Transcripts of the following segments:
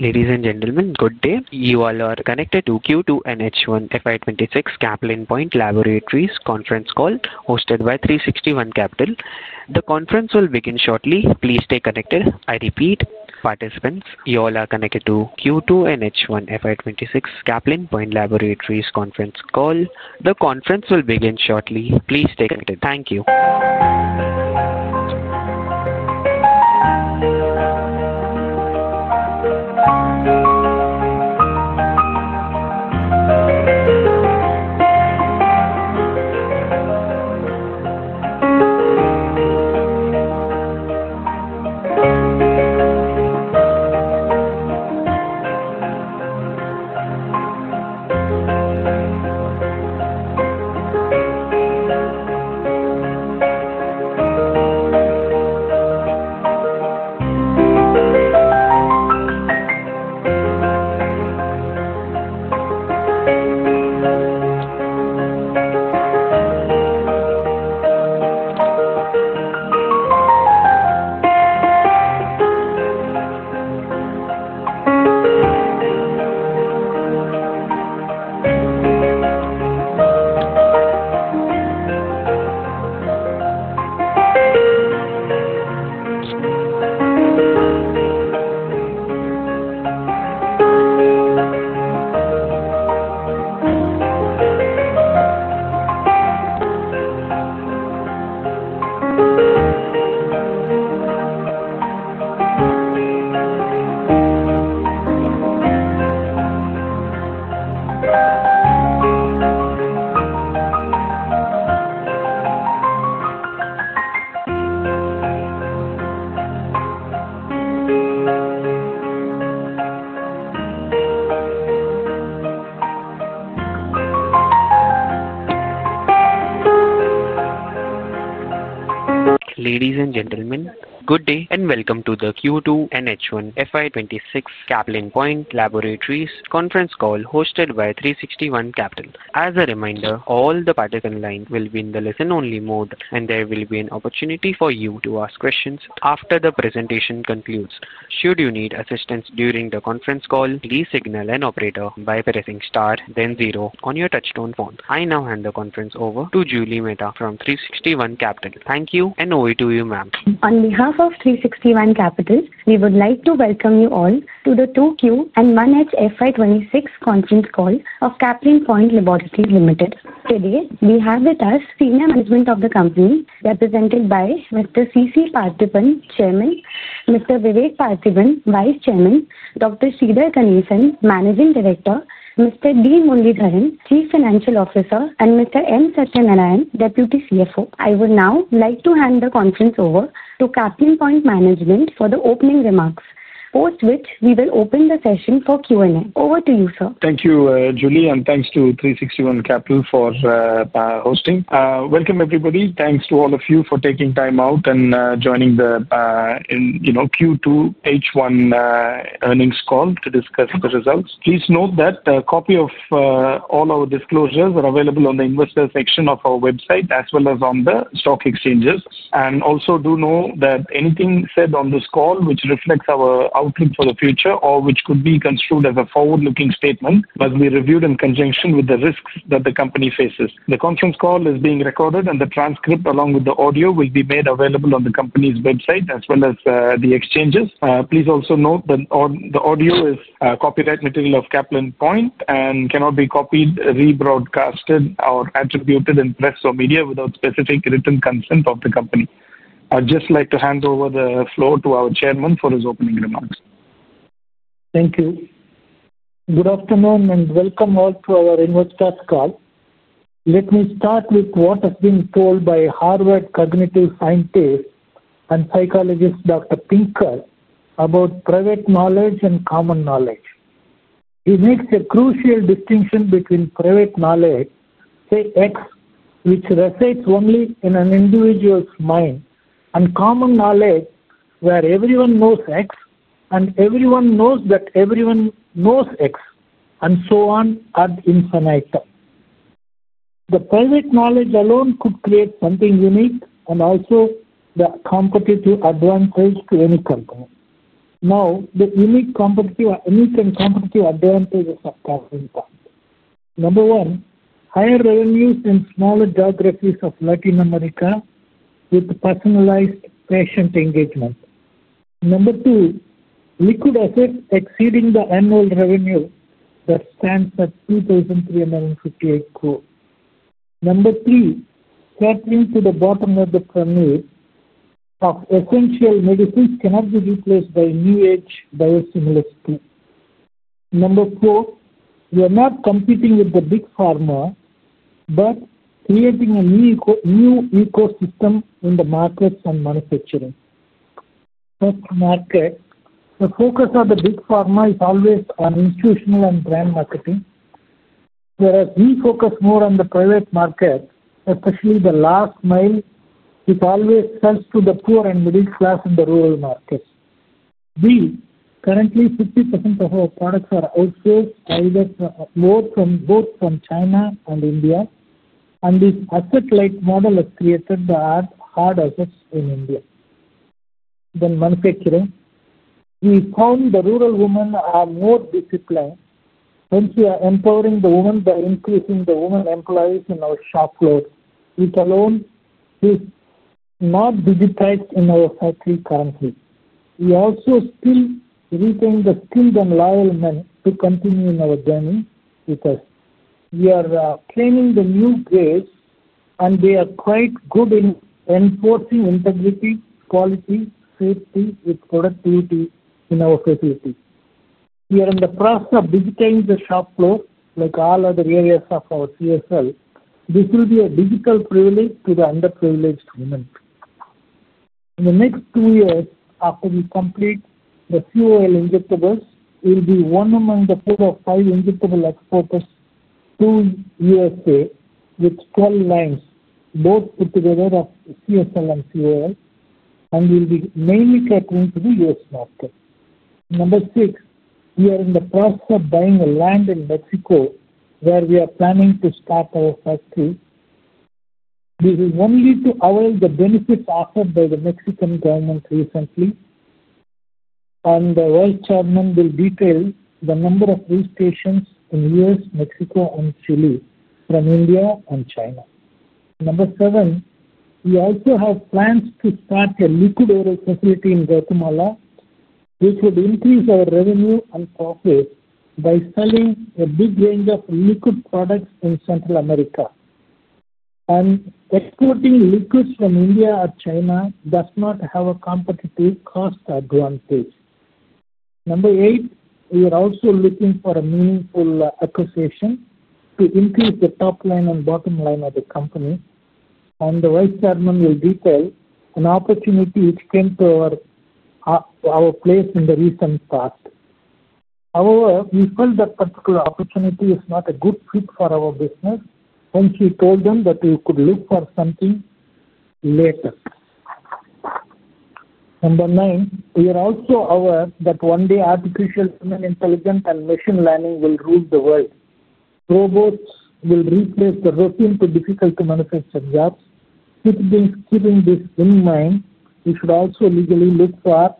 Ladies and gentlemen, good day. You all are connected to Q2 and H1 FY 2026, Caplin Point Laboratories conference call hosted by 360 ONE Capital. The conference will begin shortly. Please stay connected. I repeat, participants, you all are connected to Q2 and H1 FY 2026, Caplin Point Laboratories conference call. The conference will begin shortly. Please stay connected. Thank you. Ladies and gentlemen, good day and welcome to the Q2 and H1 FY 2026, Caplin Point Laboratories conference call hosted by 360 ONE Capital. As a reminder, all the participants will be in the listen-only mode, and there will be an opportunity for you to ask questions after the presentation concludes. Should you need assistance during the conference call, please signal an operator by pressing star then zero on your touchtone phone. I now hand the conference over to Julie Mehta from 360 ONE Capital. Thank you and over to you, ma'am. On behalf of 360 ONE Capital, we would like to welcome you all to the 2Q and 1H FY 2026 conference call of Caplin Point Laboratories Ltd. Today, we have with us senior management of the company, represented by Mr. C.C. Paarthipan, Chairman; Mr. Vivek Partheeban, Vice Chairman; Dr. Sridhar Ganesan, Managing Director; Mr. D. Muralidharan, Chief Financial Officer; and Mr. M. Sathya Narayanan, Deputy CFO. I would now like to hand the conference over to Caplin Point Management for the opening remarks, post which we will open the session for Q&A. Over to you, sir. Thank you, Julie, and thanks to 360 ONE Capital for hosting. Welcome, everybody. Thanks to all of you for taking time out and joining the Q2 H1 earnings call to discuss the results. Please note that a copy of all our disclosures are available on the investor section of our website, as well as on the stock exchanges. Also, do know that anything said on this call, which reflects our outlook for the future or which could be construed as a forward-looking statement, must be reviewed in conjunction with the risks that the company faces. The conference call is being recorded, and the transcript, along with the audio, will be made available on the company's website, as well as the exchanges. Please also note that the audio is copyright material of Caplin Point and cannot be copied, rebroadcasted, or attributed in press or media without specific written consent of the company. I'd just like to hand over the floor to our Chairman for his opening remarks. Thank you. Good afternoon and welcome all to our investor call. Let me start with what has been told by Harvard cognitive scientist and psychologist Dr. Pinker about private knowledge and common knowledge. He makes a crucial distinction between private knowledge, say, X, which resides only in an individual's mind, and common knowledge, where everyone knows X, and everyone knows that everyone knows X, and so on, ad infinitum. The private knowledge alone could create something unique and also the competitive advantage to any company. Now, the unique competitive and unique and competitive advantage of Caplin Point. Number one, higher revenues in smaller geographies of Latin America with personalized patient engagement. Number two, liquid assets exceeding the annual revenue that stands at 2,358 crore. Number three, scattering to the bottom of the pyramid. Of essential medicines cannot be replaced by new-age biosimilars too. Number four, we are not competing with the big pharma but creating a new ecosystem in the markets and manufacturing. First, market, the focus of the big pharma is always on institutional and brand marketing. Whereas we focus more on the private market, especially the last mile, which always serves to the poor and middle class in the rural markets. Currently, 50% of our products are outsourced both from China and India, and this asset-like model has created the hard assets in India. Then manufacturing. We found the rural women are more disciplined, hence we are empowering the women by increasing the women employees in our shop floor, which alone is not digitized in our factory currently. We also still retain the skilled and loyal men to continue in our journey with us. We are training the new grades, and they are quite good in enforcing integrity, quality, safety, with productivity in our facility. We are in the process of digitizing the shop floor like all other areas of our CSL. This will be a digital privilege to the underprivileged women. In the next two years, after we complete the fuel injectables, we'll be one among the four or five injectable exporters to U.S.A. with strong lines, both put together of CSL and COL. And we'll be mainly catering to the U.S. market. Number six, we are in the process of buying a land in Mexico where we are planning to start our factory. This is only to avail the benefits offered by the Mexican government recently. And the vice chairman will detail the number of new stations in the U.S., Mexico, and Chile from India and China. Number seven, we also have plans to start a liquid oil facility in Guatemala, which would increase our revenue and profits by selling a big range of liquid products in Central America. And exporting liquids from India or China does not have a competitive cost advantage. Number eight, we are also looking for a meaningful acquisition to increase the top line and bottom line of the company. And the vice chairman will detail an opportunity which came to our. Place in the recent past. However, we felt that particular opportunity is not a good fit for our business, hence we told them that we could look for something. Later. Number nine, we are also aware that one day artificial human intelligence and machine learning will rule the world. Robots will replace the routine to difficult-to-manufacture jobs. Keeping this in mind, we should also legally look for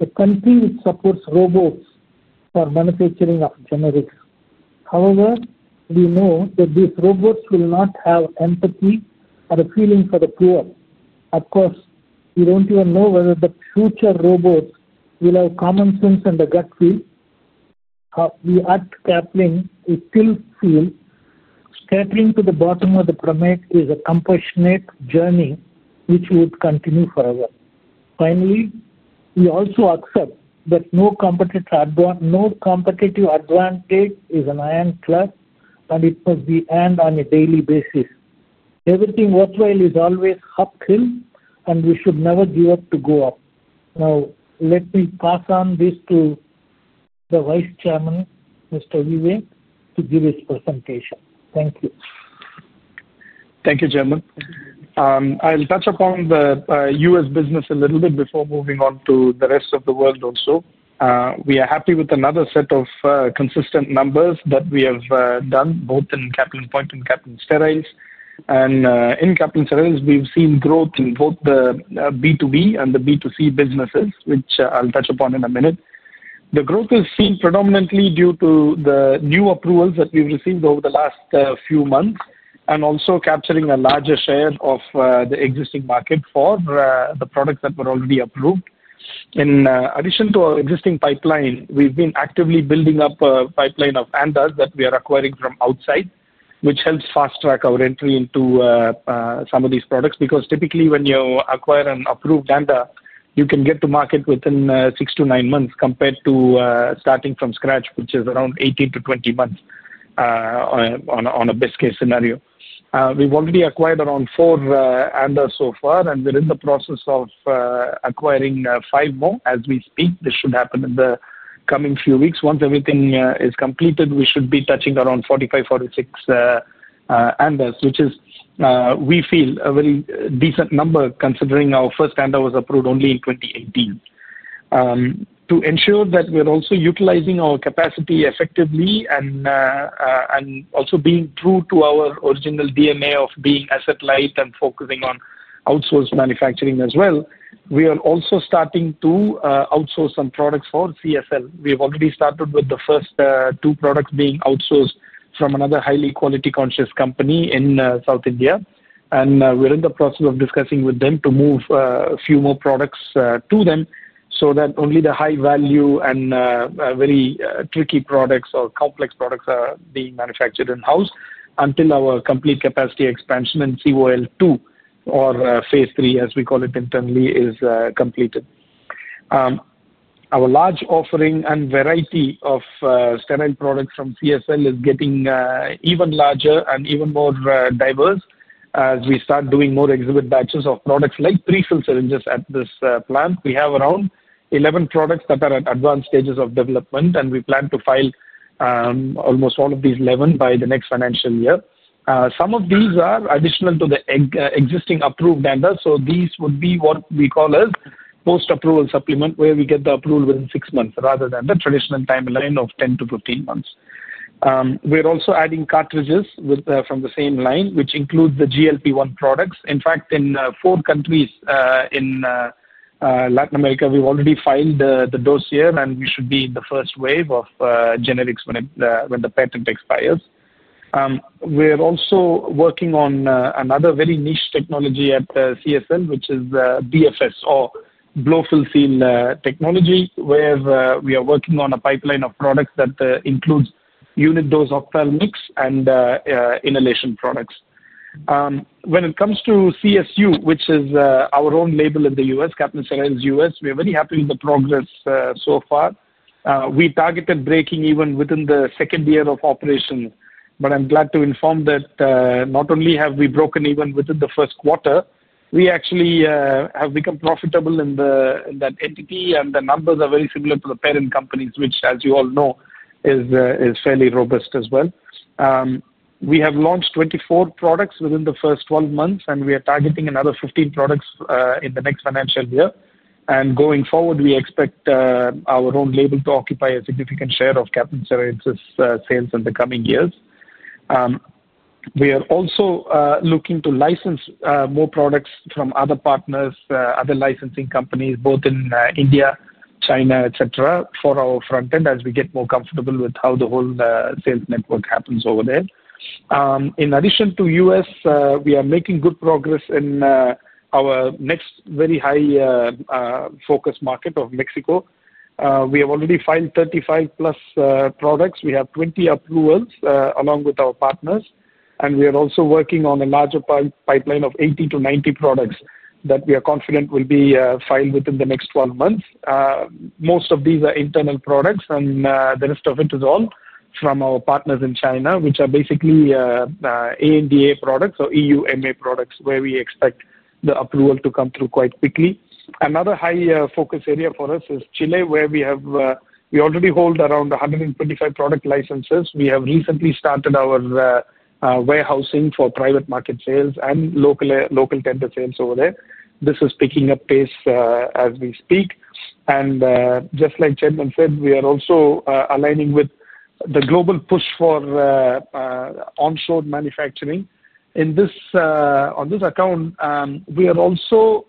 a country which supports robots for manufacturing of generics. However, we know that these robots will not have empathy or a feeling for the poor. Of course, we don't even know whether the future robots will have common sense and a gut feel. We at Caplin still feel. Scattering to the bottom of the pyramid is a compassionate journey which would continue forever. Finally, we also accept that no competitive advantage is an iron cloth, and it must be earned on a daily basis. Everything worthwhile is always uphill, and we should never give up to go up. Now, let me pass on this to. The vice chairman, Mr. Vivek, to give his presentation. Thank you. Thank you, Chairman. I'll touch upon the U.S. business a little bit before moving on to the rest of the world also. We are happy with another set of consistent numbers that we have done, both in Caplin Point and Caplin Steriles. And in Caplin Steriles, we've seen growth in both the B2B and the B2C businesses, which I'll touch upon in a minute. The growth is seen predominantly due to the new approvals that we've received over the last few months and also capturing a larger share of the existing market for the products that were already approved. In addition to our existing pipeline, we've been actively building up a pipeline of ANDAs that we are acquiring from outside, which helps fast-track our entry into. Some of these products. Because typically, when you acquire an approved ANDA, you can get to market within six to nine months compared to starting from scratch, which is around 18-20 months. On a best-case scenario. We've already acquired around four ANDAs so far, and we're in the process of. Acquiring five more as we speak. This should happen in the coming few weeks. Once everything is completed, we should be touching around 45, 46. ANDAs, which we feel is a very decent number considering our first ANDA was approved only in 2018. To ensure that we're also utilizing our capacity effectively and. Also being true to our original DNA of being asset-light and focusing on outsourced manufacturing as well, we are also starting to outsource some products for CSL. We've already started with the first two products being outsourced from another highly quality-conscious company in South India. And we're in the process of discussing with them to move a few more products to them so that only the high-value and very tricky products or complex products are being manufactured in-house until our complete capacity expansion and COL2, or phase III, as we call it internally, is completed. Our large offering and variety of sterile products from CSL is getting even larger and even more diverse as we start doing more exhibit batches of products like prefilled syringes at this plant. We have around 11 products that are at advanced stages of development, and we plan to file. Almost all of these 11 by the next financial year. Some of these are additional to the existing approved ANDAs, so these would be what we call as post-approval supplement, where we get the approval within six months rather than the traditional timeline of 10-15 months. We're also adding cartridges from the same line, which includes the GLP-1 products. In fact, in four countries in. Latin America, we've already filed the dose here, and we should be in the first wave of generics when the patent expires. We're also working on another very niche technology at CSL, which is BFS, or blow-fill-seal technology, where we are working on a pipeline of products that includes unit dose octal mix and inhalation products. When it comes to CSU, which is our own label in the U.S., Caplin Steriles US, we are very happy with the progress so far. We targeted breaking even within the second year of operation. But I'm glad to inform that not only have we broken even within the first quarter, we actually have become profitable in that entity, and the numbers are very similar to the parent companies, which, as you all know, is fairly robust as well. We have launched 24 products within the first 12 months, and we are targeting another 15 products in the next financial year. And going forward, we expect our own label to occupy a significant share of Caplin Steriles' sales in the coming years. We are also looking to license more products from other partners, other licensing companies, both in India, China, etc., for our front end as we get more comfortable with how the whole sales network happens over there. In addition to U.S., we are making good progress in our next very high. Focus market of Mexico. We have already filed 35+ products. We have 20 approvals along with our partners. And we are also working on a larger pipeline of 80-90 products that we are confident will be filed within the next 12 months. Most of these are internal products, and the rest of it is all from our partners in China, which are basically. ANDA products or EUMA products, where we expect the approval to come through quite quickly. Another high-focus area for us is Chile, where we already hold around 125 product licenses. We have recently started our. Warehousing for private market sales and local tender sales over there. This is picking up pace as we speak. And just like Chairman said, we are also aligning with the global push for. Onshore manufacturing. On this account, we are also.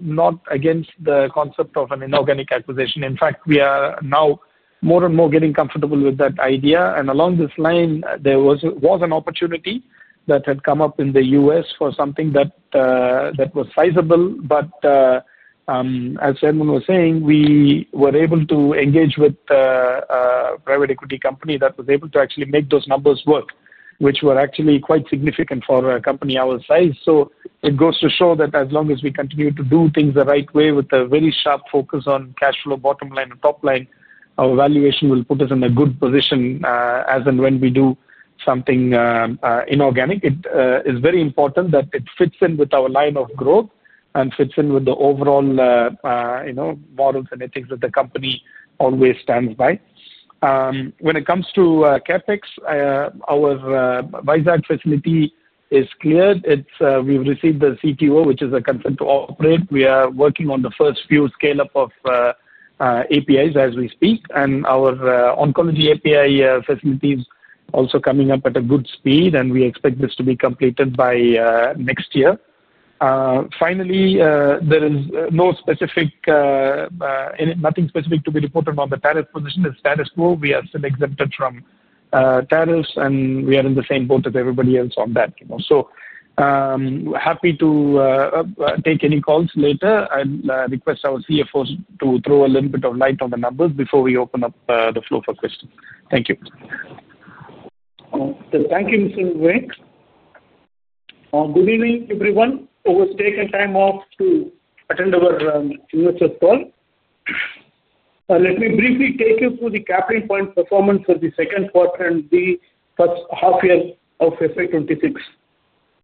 Not against the concept of an inorganic acquisition. In fact, we are now more and more getting comfortable with that idea. And along this line, there was an opportunity that had come up in the U.S. for something that. Was sizable. But. As Chairman was saying, we were able to engage with. A private equity company that was able to actually make those numbers work, which were actually quite significant for a company our size. So it goes to show that as long as we continue to do things the right way with a very sharp focus on cash flow, bottom line, and top line, our valuation will put us in a good position as and when we do something. Inorganic. It is very important that it fits in with our line of growth and fits in with the overall. Models and ethics that the company always stands by. When it comes to CapEx, our Vizag facility is cleared. We've received the CTO, which is a consent to operate. We are working on the first few scale-up of. APIs as we speak. And our oncology API facility is also coming up at a good speed, and we expect this to be completed by next year. Finally, there is nothing specific to be reported on the tariff position. It's status quo. We are still exempted from. Tariffs, and we are in the same boat as everybody else on that. So. Happy to. Take any calls later. I'll request our CFOs to throw a little bit of light on the numbers before we open up the floor for questions. Thank you. Thank you, Mr. Vivek. Good evening, everyone. I was taking time off to attend our investor call. Let me briefly take you through the Caplin Point performance for the second quarter and the first half year of FY 2026.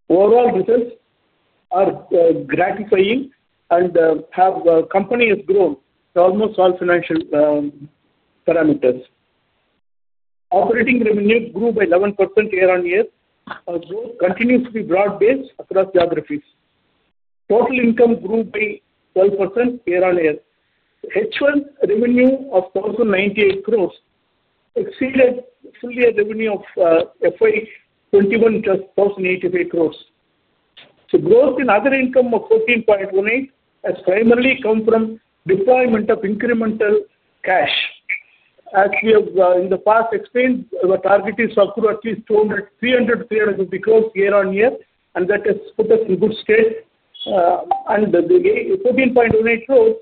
Overall, results are gratifying, and the company has grown in almost all financial. Parameters. Operating revenue grew by 11% year-on-year. Growth continues to be broad-based across geographies. Total income grew by 12% year-on-year. H1 revenue of 1,098 crores exceeded full-year revenue of FY 2021 just 1,088 crores. The growth in other income of 14.18 crores has primarily come from deployment of incremental cash. As we have in the past explained, our target is to accrue at least 300 crores-350 crores year-on-year, and that has put us in good state. And the 14.18 crores,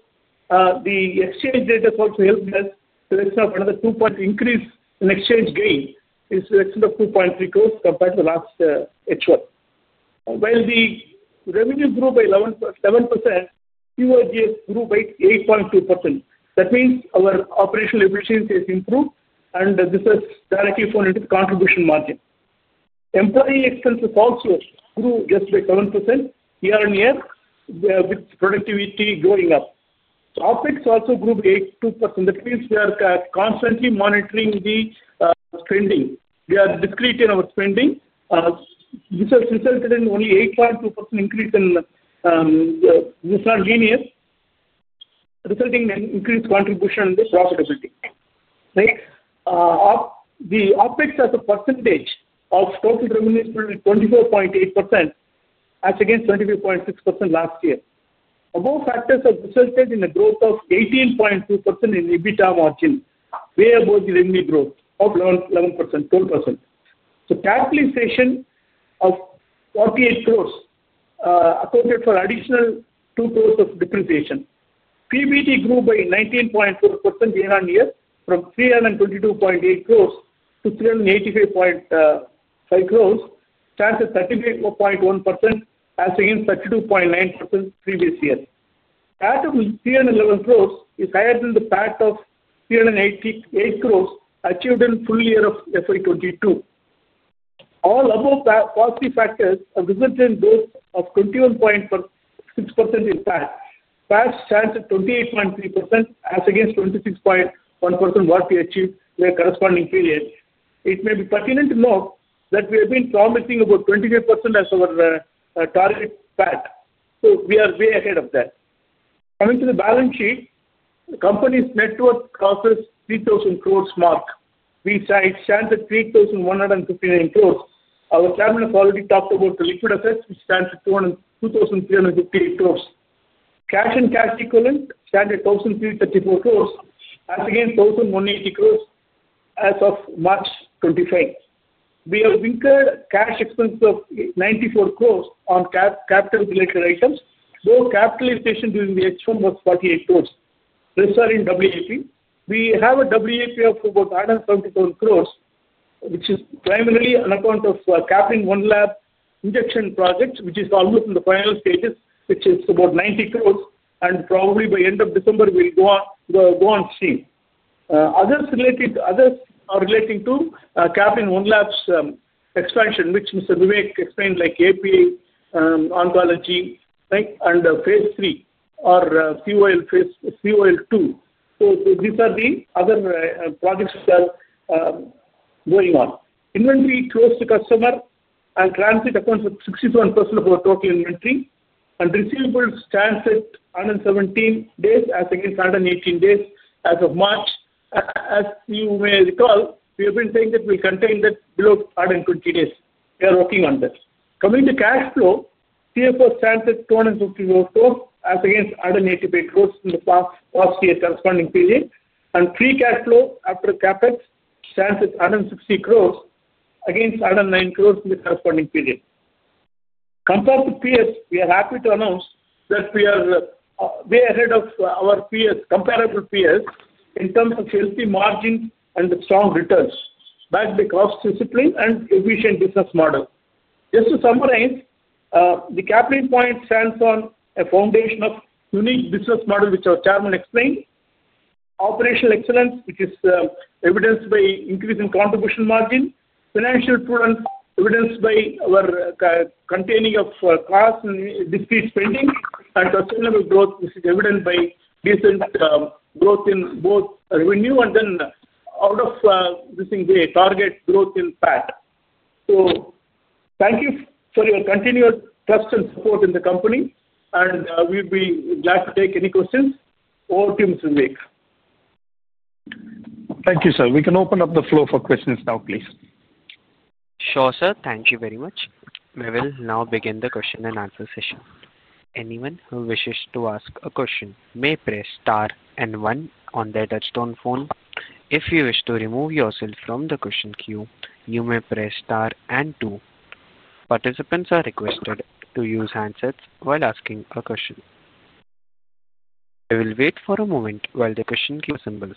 the exchange rate has also helped us to have a 2 point Increase in exchange gain is the next of 2.3 crores compared to the last H1. While the revenue grew by 11%, Q1 year grew by 8.2%. That means our operational efficiency has improved, and this has directly fallen into the contribution margin. Employee expenses also grew just by 7% year-on-year, with productivity going up. OpEx also grew by 2%. That means we are constantly monitoring the. Spending. We are discrete in our spending. This has resulted in only 8.2% increase in. This is not linear. Resulting in increased contribution and profitability. The. OpEx as a percentage of total revenue is currently 24.8%. As against 25.6% last year. Above factors have resulted in a growth of 18.2% in EBITDA margin, way above the revenue growth of 11%, 12%. So capitalization of 48 crores. Accounted for additional 2 crores of depreciation. PBT grew by 19.4% year-on-year from 322.8 crores to 385.5 crores. Stands at 34.1% as against 32.9% previous year. That of 311 crores is higher than the PAT of 388 crores achieved in full year of FY 2022. All above positive factors have resulted in growth of 21.6% in PAT. PAT stands at 28.3% as against 26.1% what we achieved in the corresponding period. It may be pertinent to note that we have been promising about 25% as our target PAT. So we are way ahead of that. Coming to the balance sheet, the company's net worth crosses 3,000 crores mark. We stand at 3,159 crores. Our chairman has already talked about the liquid assets, which stand at 2,358 crores. Cash and cash equivalent stand at 1,334 crores as against 1,180 crores as of March 25. We have incurred cash expense of 94 crores on capital-related items. Though capitalization during the H1 was 48 crores, rest are in WAP. We have a WAP of about 170,000 crores, which is primarily an account of Caplin One Labs injection project, which is almost in the final stages, which is about 90 crores. And probably by end of December, we'll go on steam. Others. Are relating to Caplin One Labs expansion, which Mr. Vivek explained, like API oncology and phase III or COL2. So these are the other projects that are. Going on. Inventory close to customer and transit accounts of 61% of our total inventory. And receivables stands at 117 days as against 118 days as of March. As you may recall, we have been saying that we'll contain that below 120 days. We are working on that. Coming to cash flow, CFO stands at 250 crores as against 188 crores in the past year corresponding period. And pre-cash flow after CapEx stands at 160 crores against 109 crores in the corresponding period. Compared to peers, we are happy to announce that we are way ahead of our comparable peers in terms of healthy margin and strong returns backed by cost discipline and efficient business model. Just to summarize, the Caplin Point stands on a foundation of unique business model, which our chairman explained. Operational excellence, which is evidenced by increase in contribution margin. Financial prudence, evidenced by our containing of costs and discrete spending. And sustainable growth, which is evident by decent growth in both revenue and then out of missing the target growth in PAT. So. Thank you for your continued trust and support in the company. And we'll be glad to take any questions or to Mr. Vivek. Thank you, sir. We can open up the floor for questions now, please. Sure, sir. Thank you very much. We will now begin the question and answer session. Anyone who wishes to ask a question may press star and one on their touchstone phone. If you wish to remove yourself from the question queue, you may press star and two. Participants are requested to use handsets while asking a question. We will wait for a moment while the question queue assembles.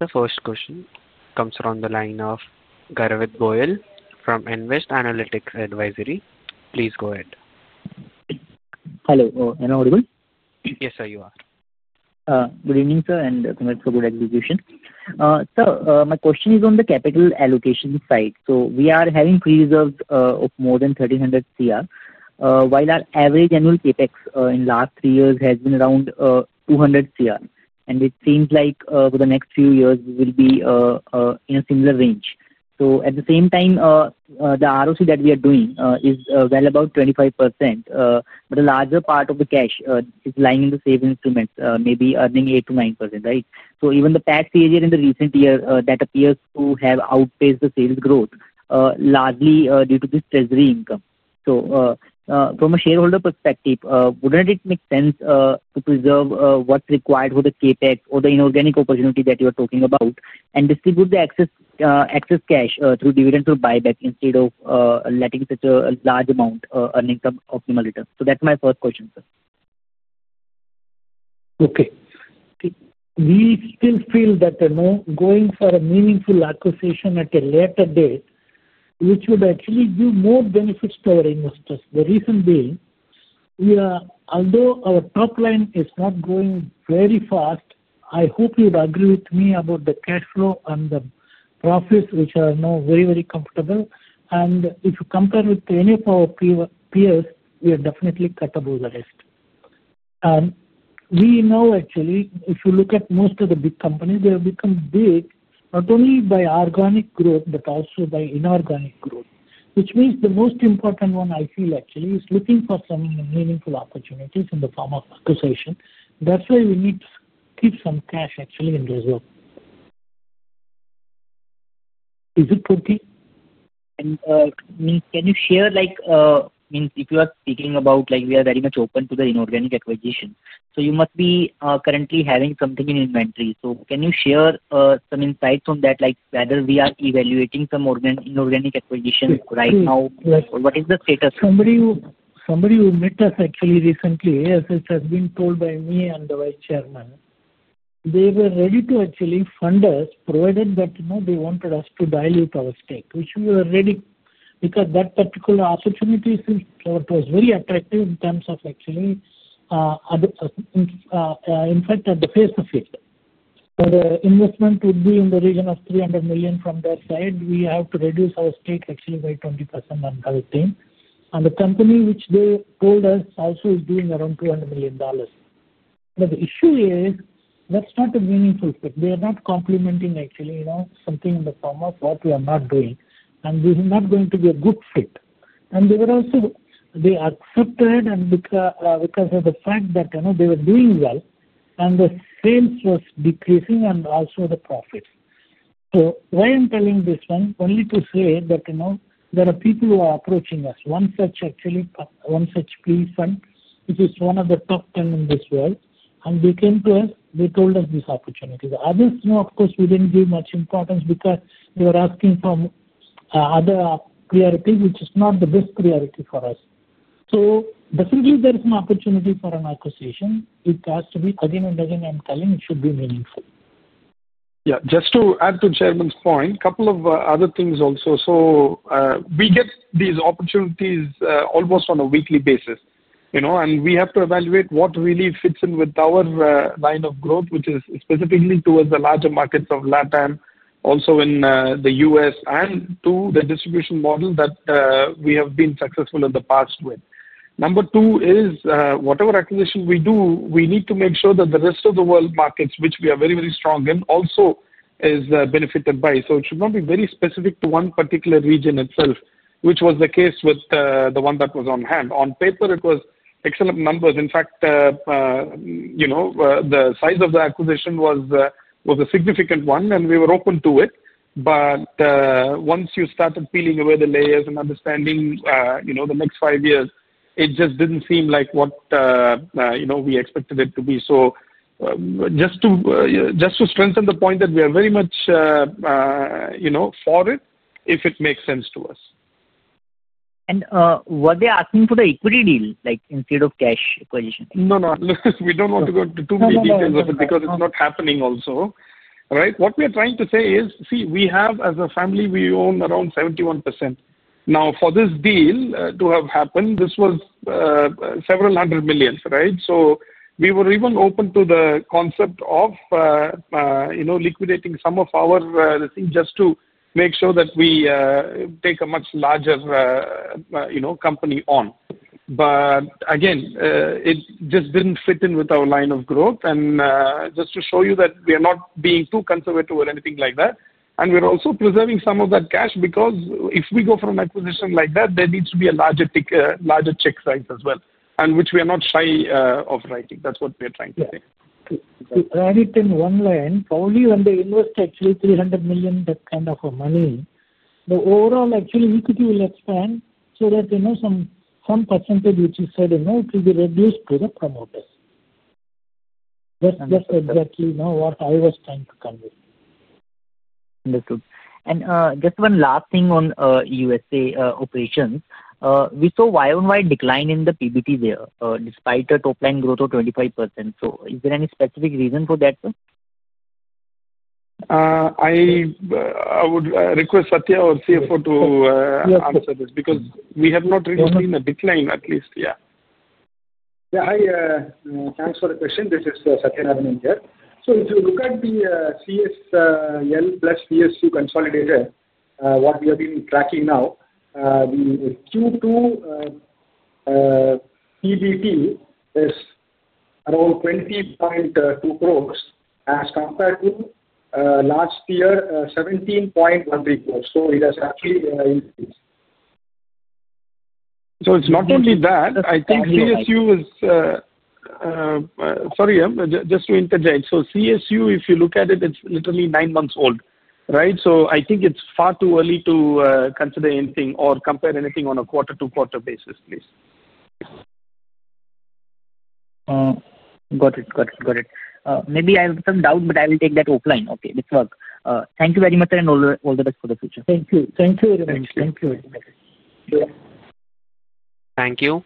The first question comes from the line of Garvit Goyal from Nvest Analytics Advisory. Please go ahead. Hello. Am I audible? Yes, sir, you are. Good evening, sir, and congrats for good execution. Sir, my question is on the capital allocation side. So we are having free reserves of more than 1,300 crores, while our average annual CapEx in the last three years has been around 200 crores. And it seems like for the next few years, we will be in a similar range. So at the same time, the ROC that we are doing is well above 25%. But a larger part of the cash is lying in the save instruments, maybe earning 8%-9%, right? So even the PAT CAGR in the recent year that appears to have outpaced the sales growth, largely due to this treasury income. So. From a shareholder perspective, wouldn't it make sense to preserve what's required for the CapEx or the inorganic opportunity that you are talking about and distribute the excess cash through dividend or buyback instead of letting such a large amount earning some optimal returns? So that's my first question, sir. Okay. We still feel that going for a meaningful acquisition at a later date, which would actually do more benefits to our investors. The reason being, although our top line is not growing very fast, I hope you would agree with me about the cash flow and the profits, which are now very, very comfortable. And if you compare with any of our peers, we are definitely cut above the rest. We know, actually, if you look at most of the big companies, they have become big not only by organic growth but also by inorganic growth, which means the most important one, I feel, actually, is looking for some meaningful opportunities in the form of acquisition. That's why we need to keep some cash, actually, in reserve. Is it okay? And can you share. If you are speaking about we are very much open to the inorganic acquisition. So you must be currently having something in inventory. So can you share some insights on that, whether we are evaluating some inorganic acquisition right now, or what is the status? Somebody who met us actually recently, as it has been told by me and the vice chairman. They were ready to actually fund us, provided that they wanted us to dilute our stake, which we were ready because that particular opportunity was very attractive in terms of, actually. In fact, at the face of it. For the investment to be in the region of $300 million from their side, we have to reduce our stake, actually, by 20% on that thing. And the company, which they told us, also is doing around $200 million. But the issue is that's not a meaningful fit. They are not complementing, actually, something in the form of what we are not doing. And this is not going to be a good fit. And they were also. They accepted because of the fact that they were doing well and the sales was decreasing and also the profits. So why I'm telling this one? Only to say that there are people who are approaching us. One such, actually, one such PE fund, which is one of the top 10 in this world. And they came to us. They told us this opportunity. The others, of course, we didn't give much importance because they were asking for. Other priority, which is not the best priority for us. So definitely, there is an opportunity for an acquisition. It has to be again and again, I'm telling, it should be meaningful. Yeah. Just to add to chairman's point, a couple of other things also. So we get these opportunities almost on a weekly basis. And we have to evaluate what really fits in with our line of growth, which is specifically towards the larger markets of LATAM, also in the U.S., and two, the distribution model that we have been successful in the past with. Number two is whatever acquisition we do, we need to make sure that the rest of the world markets, which we are very, very strong in, also are benefited by. So it should not be very specific to one particular region itself, which was the case with the one that was on hand. On paper, it was excellent numbers. In fact. The size of the acquisition was a significant one, and we were open to it. But. Once you started peeling away the layers and understanding the next five years, it just didn't seem like what. We expected it to be. So. Just to strengthen the point that we are very much. For it if it makes sense to us. And were they asking for the equity deal instead of cash acquisition? No, no. We don't want to go into too many details of it because it's not happening also, right? What we are trying to say is, see, we have, as a family, we own around 71%. Now, for this deal to have happened, this was. Several hundred millions, right? So we were even open to the concept of. Liquidating some of our things just to make sure that we take a much larger. Company on. But again. It just didn't fit in with our line of growth. And just to show you that we are not being too conservative or anything like that. And we're also preserving some of that cash because if we go for an acquisition like that, there needs to be a larger check size as well, which we are not shy of writing. That's what we are trying to say. To add it in one line, probably when they invest actually $300 million that kind of money, the overall, actually, equity will expand so that. Some percentage, which is said, it will be reduced to the promoters. That's exactly what I was trying to convey. Understood. And just one last thing on U.S.A. operations. We saw YoY decline in the PBT there, despite a top-line growth of 25%. So is there any specific reason for that, sir? I would request Sathya or CFO to answer this because we have not really seen a decline, at least, yeah. Yeah. Hi. Thanks for the question. This is Sathya Narayanan here. So if you look at the CSL plus CSU consolidated, what we have been tracking now. Q2. PBT is around 20.2 crores as compared to. Last year, 17.13 crores. So it has actually increased. So it's not only that. I think CSU is. Sorry, just to interject. So CSU, if you look at it, it's literally nine months old, right? So I think it's far too early to consider anything or compare anything on a quarter-to-quarter basis, please. Got it. Got it. Got it. Maybe I have some doubt, but I will take that offline. Okay. This work. Thank you very much, sir, and all the best for the future. Thank you. Thank you very much. Thank you very much. Thank you.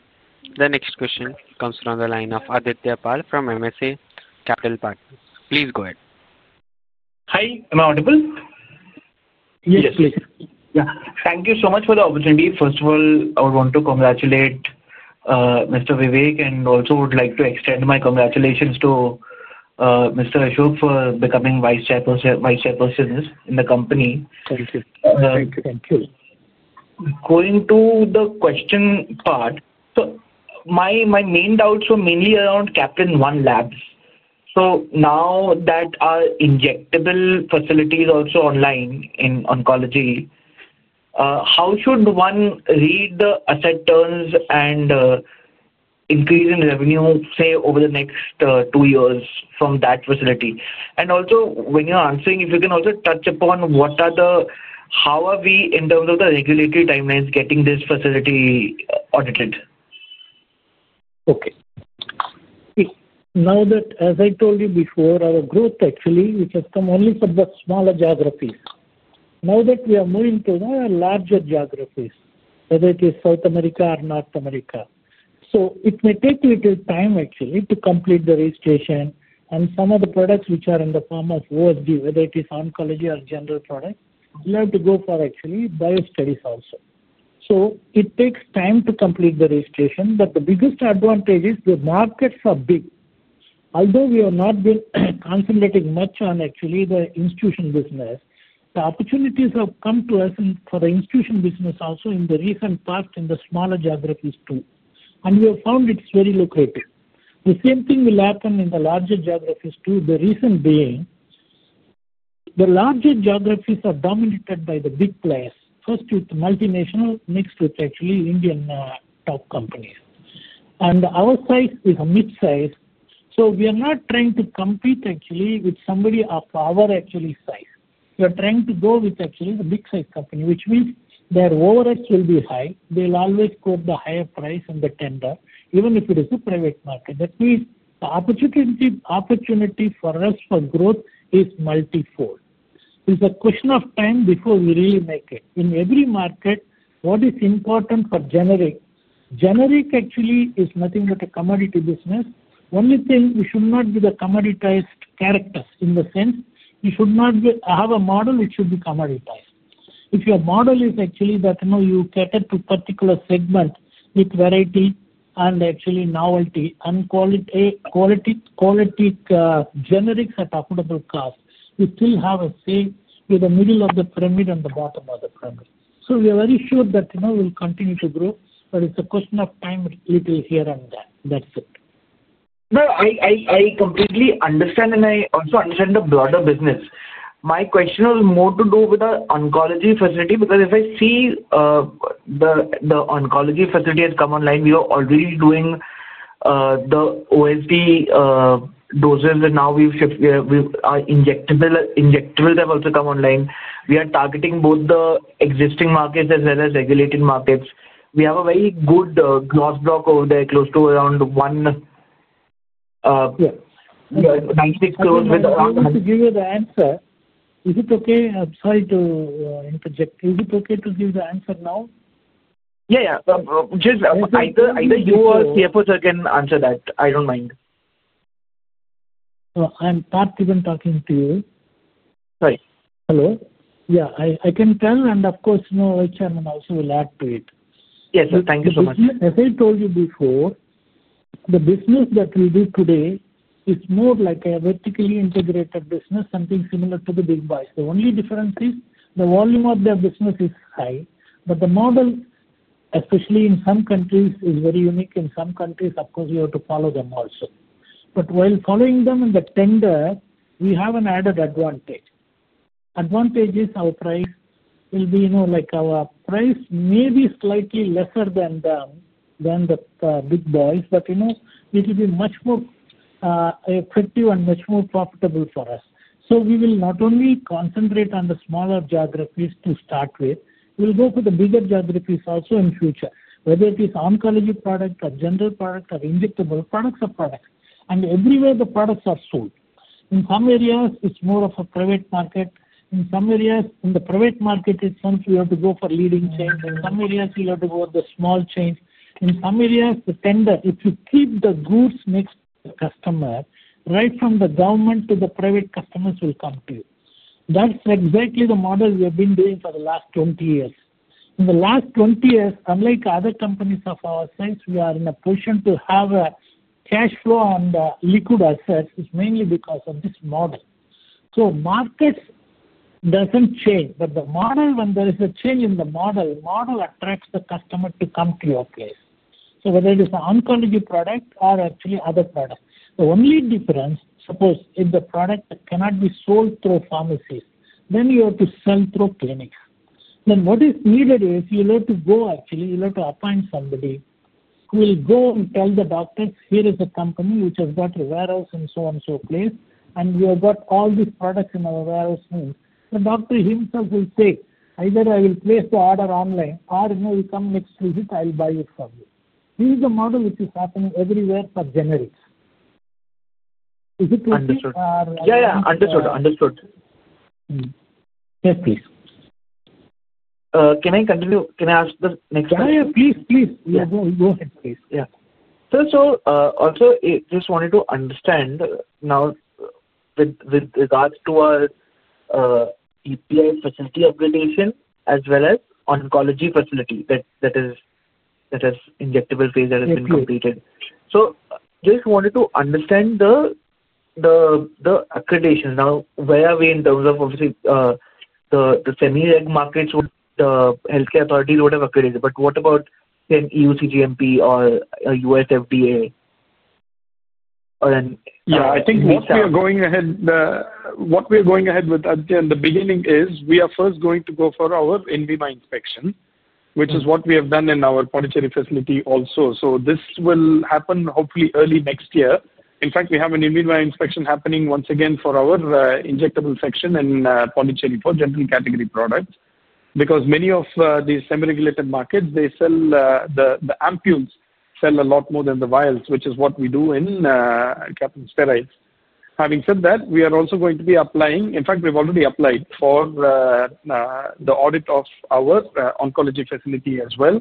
The next question comes from the line of Adityapal from MSA Capital Partners. Please go ahead. Hi. Am I audible? Yes, please. Yeah. Thank you so much for the opportunity. First of all, I want to congratulate. Mr. Vivek and also would like to extend my congratulations to. Mr. Ashok for becoming Vice Chairpersons in the company. Thank you. Thank you. Going to the question part. So. My main doubts were mainly around Caplin One Labs. So now that our injectable facility is also online in oncology, how should one read the asset turns and. Increase in revenue, say, over the next two years from that facility? And also, when you're answering, if you can also touch upon what are the. How are we in terms of the regulatory timelines getting this facility audited? Okay. Now that, as I told you before, our growth, actually, which has come only from the smaller geographies. Now that we are moving to larger geographies, whether it is South America or North America. So it may take a little time, actually, to complete the registration. And some of the products which are in the form of OSD, whether it is oncology or general products, we have to go for, actually, biostudies also. So it takes time to complete the registration. But the biggest advantage is the markets are big. Although we have not been concentrating much on, actually, the institutional business, the opportunities have come to us for the institutional business also in the recent past in the smaller geographies too. And we have found it's very lucrative. The same thing will happen in the larger geographies too, the reason being. The larger geographies are dominated by the big players. First, with multinational, next with, actually, Indian top companies. And our size is a mid-size. So we are not trying to compete, actually, with somebody of our, actually, size. We are trying to go with, actually, the big-size company, which means their overheads will be high. They'll always go to the higher price in the tender, even if it is a private market. That means the opportunity for us for growth is multi-fold. It's a question of time before we really make it. In every market, what is important for generic? Generic, actually, is nothing but a commodity business. Only thing, we should not be the commoditized character in the sense we should not have a model which should be commoditized. If your model is actually that you cater to a particular segment with variety and, actually, novelty and. Quality, generics at affordable cost, you still have a say with the middle of the pyramid and the bottom of the pyramid. So we are very sure that we will continue to grow. But it's a question of time little here and there. That's it. No, I completely understand, and I also understand the broader business. My question was more to do with the oncology facility because if I see. The oncology facility has come online, we are already doing. The OSD. Doses, and now we've. Injectables have also come online. We are targeting both the existing markets as well as regulated markets. We have a very good gross block over there, close to around. 96 crores with. I have to give you the answer. Is it okay? I'm sorry to interject. Is it okay to give the answer now? Yeah, yeah. Just either you or CFO Sir can answer that. I don't mind. I'm partly even talking to you. Sorry. Hello? Yeah. I can tell. And of course, Chairman also will add to it. Yes, sir. Thank you so much. As I told you before, the business that we do today is more like a vertically integrated business, something similar to the big buys. The only difference is the volume of their business is high. But the model, especially in some countries, is very unique. In some countries, of course, you have to follow them also. But while following them in the tender, we have an added advantage. Advantage is our price will be our price may be slightly lesser than. The big boys, but it will be much more. Effective and much more profitable for us. So we will not only concentrate on the smaller geographies to start with. We'll go for the bigger geographies also in future, whether it is oncology product or general product or injectable products or products. And everywhere the products are sold. In some areas, it's more of a private market. In some areas, in the private market, it's something you have to go for leading change. In some areas, you'll have to go with the small change. In some areas, the tender, if you keep the goods next to the customer, right from the government to the private customers will come to you. That's exactly the model we have been doing for the last 20 years. In the last 20 years, unlike other companies of our size, we are in a position to have a cash flow on the liquid assets. It's mainly because of this model. So markets doesn't change. But the model, when there is a change in the model, the model attracts the customer to come to your place. So whether it is an oncology product or actually other product. The only difference, suppose if the product cannot be sold through pharmacies, then you have to sell through clinics. Then what is needed is you'll have to go, actually, you'll have to appoint somebody who will go and tell the doctors, "Here is a company which has got a warehouse in so-and-so place, and we have got all these products in our warehouse room." The doctor himself will say, "Either I will place the order online or you come next visit, I'll buy it from you." This is the model which is happening everywhere for generics. Is it okay? Understood. Yeah, yeah. Understood. Understood. Yes, please. Can I continue? Can I ask the next question? Yeah, yeah. Please, please. Go ahead, please. Yeah. Sir, so also, I just wanted to understand now. With regards to our. API facility accreditation as well as oncology facility that has. Injectable phase that has been completed. So just wanted to understand the. Accreditation. Now, where are we in terms of, obviously. The semi-reg markets would the healthcare authorities would have accredited. But what about, say, EU GMP or U.S. FDA? Yeah. I think what we are going ahead what we are going ahead with at the beginning is we are first going to go for our INVIMA inspection, which is what we have done in our polygenic facility also. So this will happen, hopefully, early next year. In fact, we have an INVIMA inspection happening once again for our injectable section in polygenic for general category products because many of these semi-regulated markets, they. Sell the ampules sell a lot more than the vials, which is what we do in. Caplin Steriles. Having said that, we are also going to be applying in fact, we've already applied for. The audit of our oncology facility as well.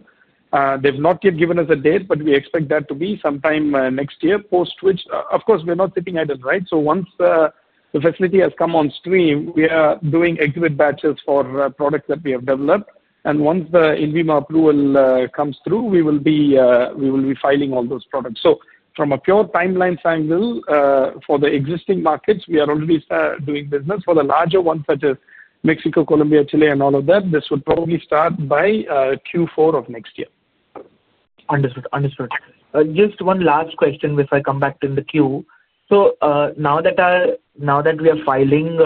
They've not yet given us a date, but we expect that to be sometime next year, post which, of course, we're not sitting idle, right? So once the facility has come on stream, we are doing exhibit batches for products that we have developed. And once the INVIMA approval comes through, we will be. Filing all those products. So from a pure timeline standpoint for the existing markets, we are already doing business. For the larger ones such as Mexico, Colombia, Chile, and all of that, this would probably start by Q4 of next year. Understood. Understood. Just one last question before I come back to the queue. So now that. We are filing.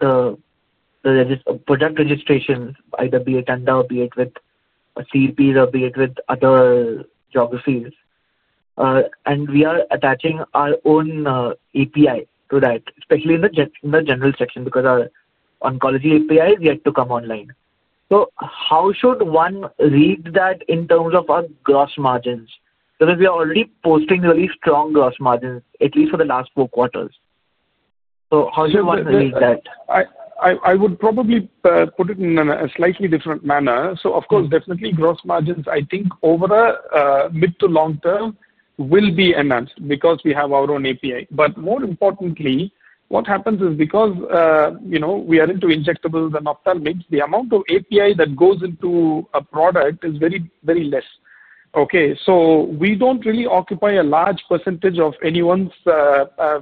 The. Product registration, either be it ANDA or be it with CPs or be it with other geographies. And we are attaching our own API to that, especially in the general section because our oncology API is yet to come online. So how should one read that in terms of our gross margins? Because we are already posting really strong gross margins, at least for the last four quarters. So how should one read that? I would probably put it in a slightly different manner. So of course, definitely gross margins, I think, over a mid to long term will be enhanced because we have our own API. But more importantly, what happens is because. We are into injectables and ophthalmics, the amount of API that goes into a product is very less. Okay. So we don't really occupy a large percentage of anyone's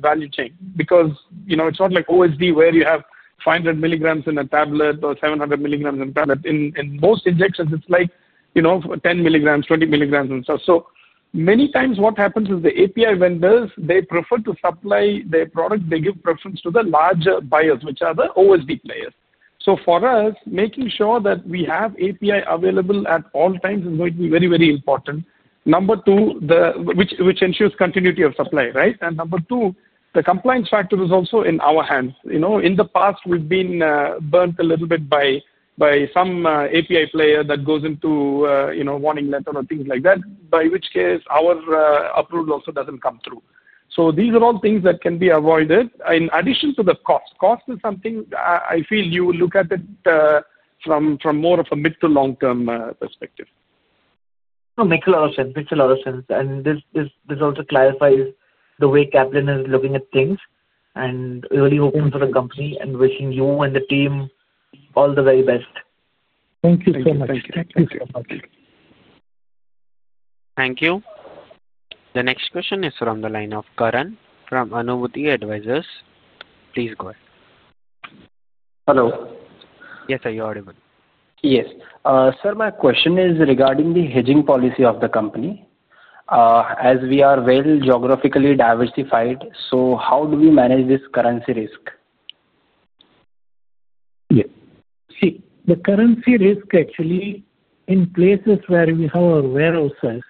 value chain because it's not like OSD where you have 500 mg in a tablet or 700 mg in a tablet. In most injections, it's like 10 mg, 20 mg, and so on. So many times what happens is the API vendors, they prefer to supply their product. They give preference to the larger buyers, which are the OSD players. So for us, making sure that we have API available at all times is going to be very, very important. Number two, which ensures continuity of supply, right? And number two, the compliance factor is also in our hands. In the past, we've been burnt a little bit by. Some API player that goes into. Warning letter or things like that, by which case our approval also doesn't come through. So these are all things that can be avoided in addition to the cost. Cost is something I feel you will look at it. From more of a mid to long-term perspective. No, makes a lot of sense. Makes a lot of sense. And this also clarifies the way Caplin is looking at things. And we're really hoping for the company and wishing you and the team all the very best. Thank you so much. Thank you so much. Thank you. The next question is from the line of Karan from Anubhuti Advisors. Please go ahead. Hello. Yes, sir. You're audible. Yes. Sir, my question is regarding the hedging policy of the company. As we are well geographically diversified, so how do we manage this currency risk? Yes. See, the currency risk, actually, in places where we have our warehouses,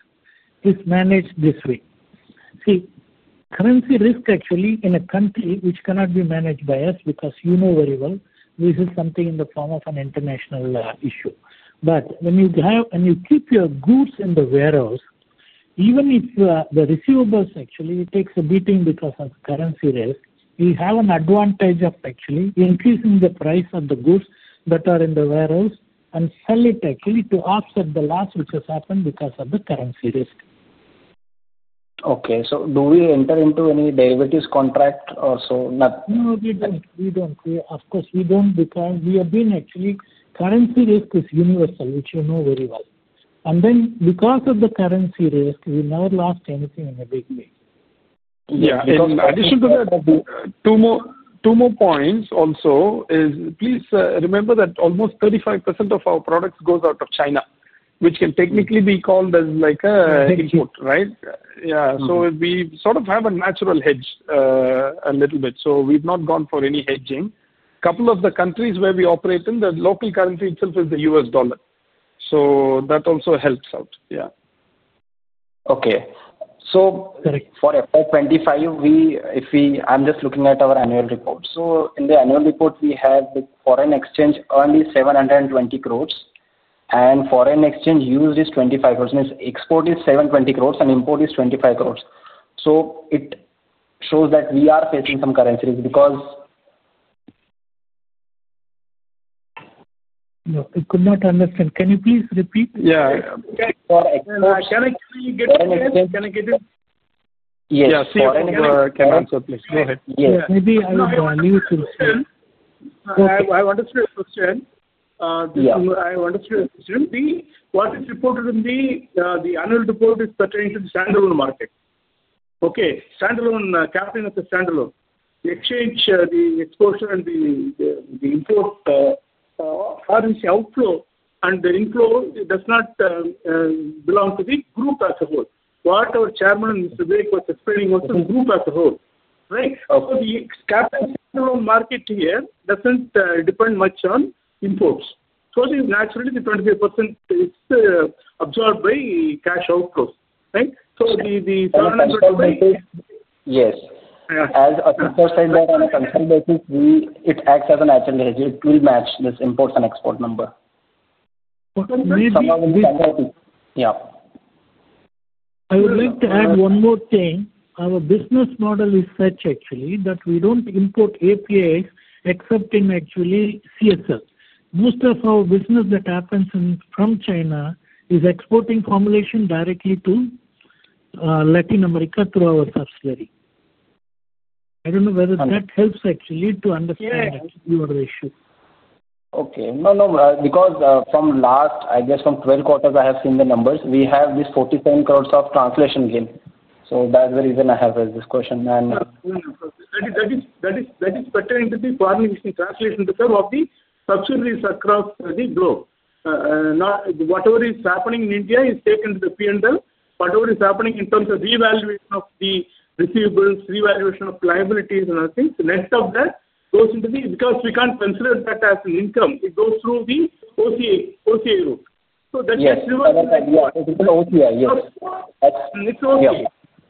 is managed this way. See, currency risk, actually, in a country which cannot be managed by us because you know very well, this is something in the form of an international issue. But when you have and you keep your goods in the warehouse, even if the receivables, actually, it takes a beating because of currency risk, you have an advantage of actually increasing the price of the goods that are in the warehouse and sell it, actually, to offset the loss which has happened because of the currency risk. Okay. So do we enter into any derivatives contract or so? No, we don't. We don't. Of course, we don't because we have been, actually, currency risk is universal, which you know very well. And then because of the currency risk, we never lost anything in a big way. Yeah. In addition to that, two more points also is please remember that almost 35% of our products goes out of China, which can technically be called as like an import, right? Yeah. So we sort of have a natural hedge a little bit. So we've not gone for any hedging. Couple of the countries where we operate in, the local currency itself is the U.S. dollar. So that also helps out. Yeah. Okay. So for FY 2025, if we I'm just looking at our annual report. So in the annual report, we have with foreign exchange only 720 crores. And foreign exchange used is 25 crores. Export is 720 crores and import is 25 crores. So it shows that we are facing some currencies because. No, I could not understand. Can you please repeat? Yeah. Can I get you? Yes. Yeah. Sorry. Can I answer? Please. Go ahead. Yes. Maybe I was the one who should say. I understood your question. I understood your question. What is reported in the annual report is pertaining to the standalone market. Okay. Standalone, Caplin of the standalone, the exchange, the exposure, and the import. Currency outflow and the inflow does not. Belong to the group as a whole. What our chairman Vivek was explaining was the group as a whole, right? So the capital standalone market here doesn't depend much on imports. So naturally, the 25% is absorbed by cash outflows, right? So the INR 720 crores. Yes. As a person that on a consult basis, it acts as an agile hedge. It will match this imports and export number. Okay. That's somewhat of the. Yeah. I would like to add one more thing. Our business model is such, actually, that we don't import APIs except in actually CSL. Most of our business that happens from China is exporting formulation directly to. Latin America through our subsidiary. I don't know whether that helps, actually, to understand your issue. Okay. No, no. Because from last, I guess from 12 quarters, I have seen the numbers. We have this 47 crores of translation gain. So that's the reason I have this question. And. That is pertaining to the foreign exchange translation of the subsidiaries across the globe. Whatever is happening in India is taken to the P&L. Whatever is happening in terms of revaluation of the receivables, revaluation of liabilities and other things, the net of that goes into the because we can't consider that as an income. It goes through the OCI route. So that's just revaluation. OCI. Yes. It's OCIF.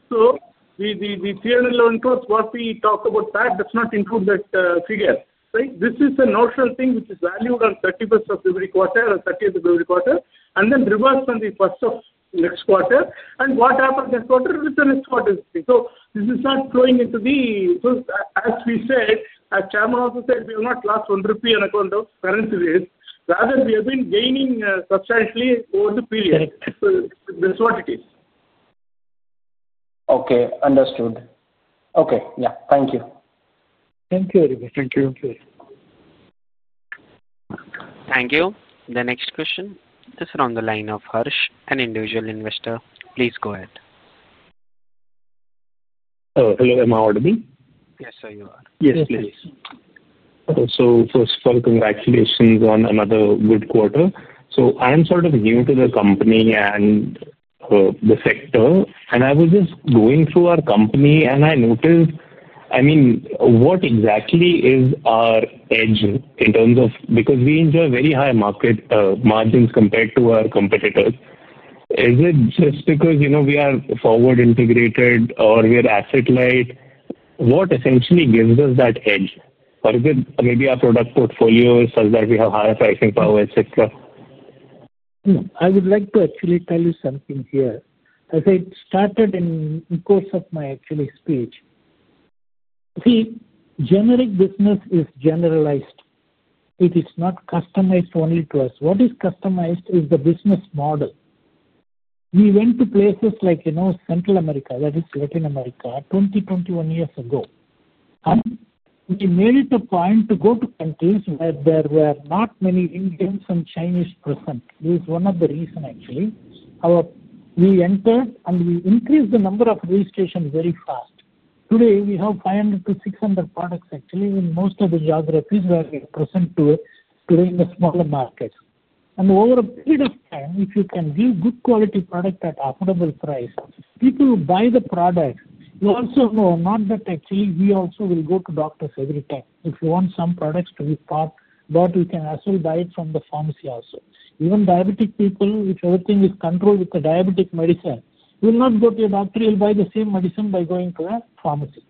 So the 311 crores, what we talked about back does not include that figure, right? This is a notional thing which is valued on 31st of every quarter or 30th of every quarter, and then reversed on the 1st of next quarter. And what happens next quarter is the next quarter's thing. So this is not flowing into the so as we said, as Chairman also said, we have not lost 1 rupee on account of currency risk. Rather, we have been gaining substantially over the period. So that's what it is. Okay. Understood. Okay. Yeah. Thank you. Thank you very much. Thank you. Thank you. The next question is from the line of Harsh, an individual investor. Please go ahead. Hello. Am I audible? Yes, sir, you are. Yes, please. Yes. Okay. So first of all, congratulations on another good quarter. So I am sort of new to the company and. The sector. And I was just going through our company, and I noticed, I mean, what exactly is our edge in terms of because we enjoy very high market margins compared to our competitors. Is it just because we are forward integrated or we are asset-light? What essentially gives us that edge? Or is it maybe our product portfolio such that we have higher pricing power, etc.? I would like to actually tell you something here. As I started in the course of my actually speech. See, generic business is generalized. It is not customized only to us. What is customized is the business model. We went to places like Central America, that is Latin America, 20, 21 years ago. And we made it a point to go to countries where there were not many Indians and Chinese present. It was one of the reasons, actually. We entered, and we increased the number of registrations very fast. Today, we have 500-600 products, actually, in most of the geographies where we are present today in the smaller markets. And over a period of time, if you can give good quality product at affordable price, people will buy the product. You also know not that, actually, we also will go to doctors every time. If you want some products to be bought, but you can also buy it from the pharmacy also. Even diabetic people, if everything is controlled with the diabetic medicine, will not go to your doctor. You'll buy the same medicine by going to the pharmacy.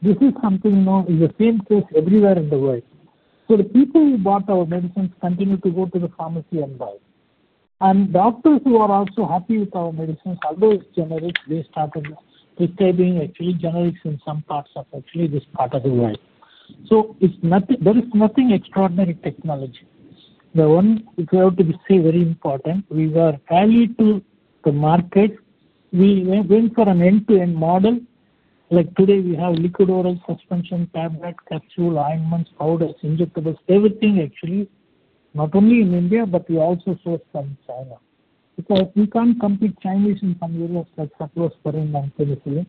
This is something in the same case everywhere in the world. So the people who bought our medicines continue to go to the pharmacy and buy. And doctors who are also happy with our medicines, although it's generic, they started prescribing, actually, generics in some parts of, actually, this part of the world. So there is nothing extraordinary technology. The one which we have to say is very important. We were early to the market. We went for an end-to-end model. Like today, we have liquid oral suspension, tablet, capsule, ointments, powders, injectables. Everything, actually, not only in India, but we also source from China. Because we can't compete with Chinese in some areas such as North Korea and Venezuela.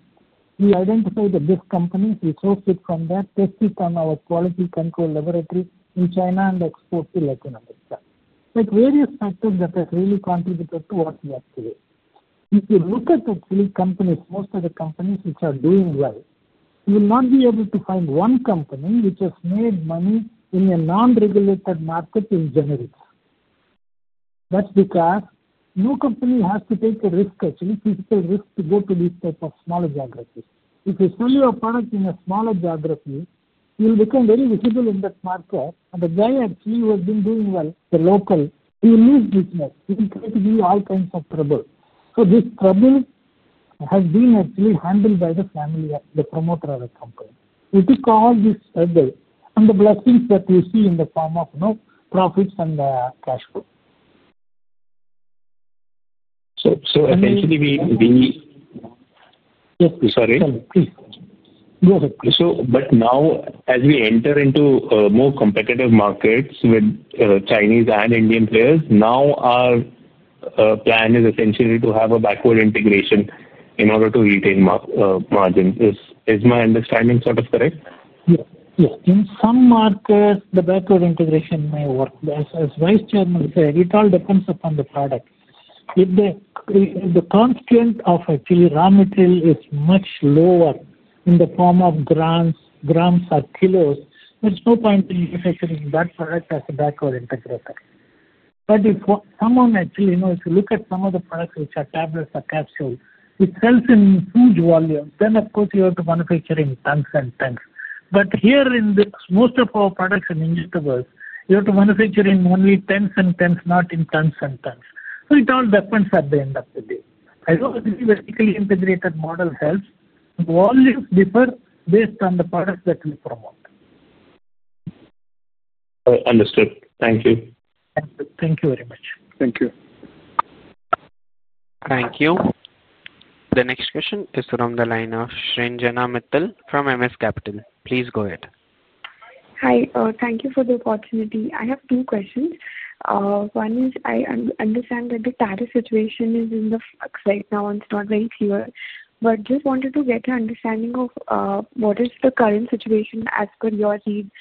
We identified these companies, we sourced it from there, tested it on our quality control laboratory in China, and exported to Latin America. There are various factors that have really contributed to what we have today. If you look at, actually, companies, most of the companies which are doing well, you will not be able to find one company which has made money in a non-regulated market in generics. That's because no company has to take a risk, actually, physical risk to go to these types of smaller geographies. If you sell your product in a smaller geography, you'll become very visible in that market. And the guy actually who has been doing well, the local, he will lose business. He will try to give you all kinds of trouble. So this trouble has been actually handled by the family, the promoter of the company. It is called this struggle and the blessings that we see in the form of profits and cash flow. So essentially, we. Yes. Sorry. Sorry. Please. Go ahead. But now, as we enter into more competitive markets with Chinese and Indian players, now our. Plan is essentially to have a backward integration in order to retain margins. Is my understanding sort of correct? Yes. Yes. In some markets, the backward integration may work. As Vice Chairman said, it all depends upon the product. If the constant of actually raw material is much lower in the form of grams, grams or kilos, there's no point in manufacturing that product as a backward integrator. But if someone actually if you look at some of the products which are tablets or capsules, it sells in huge volumes, then of course you have to manufacture in tons and tons. But here in most of our products and injectables, you have to manufacture in only tons and tons, not in tons and tons. So it all depends at the end of the day. I don't think basically integrated model helps. Volumes differ based on the products that we promote. Understood. Thank you. Thank you. Thank you very much. Thank you. Thank you. The next question is from the line of Shrinjana Mittal from MS Capital. Please go ahead. Hi. Thank you for the opportunity. I have two questions. One is I understand that the tariff situation is in the flux right now and it's not very clear. But just wanted to get your understanding of what is the current situation as per your needs,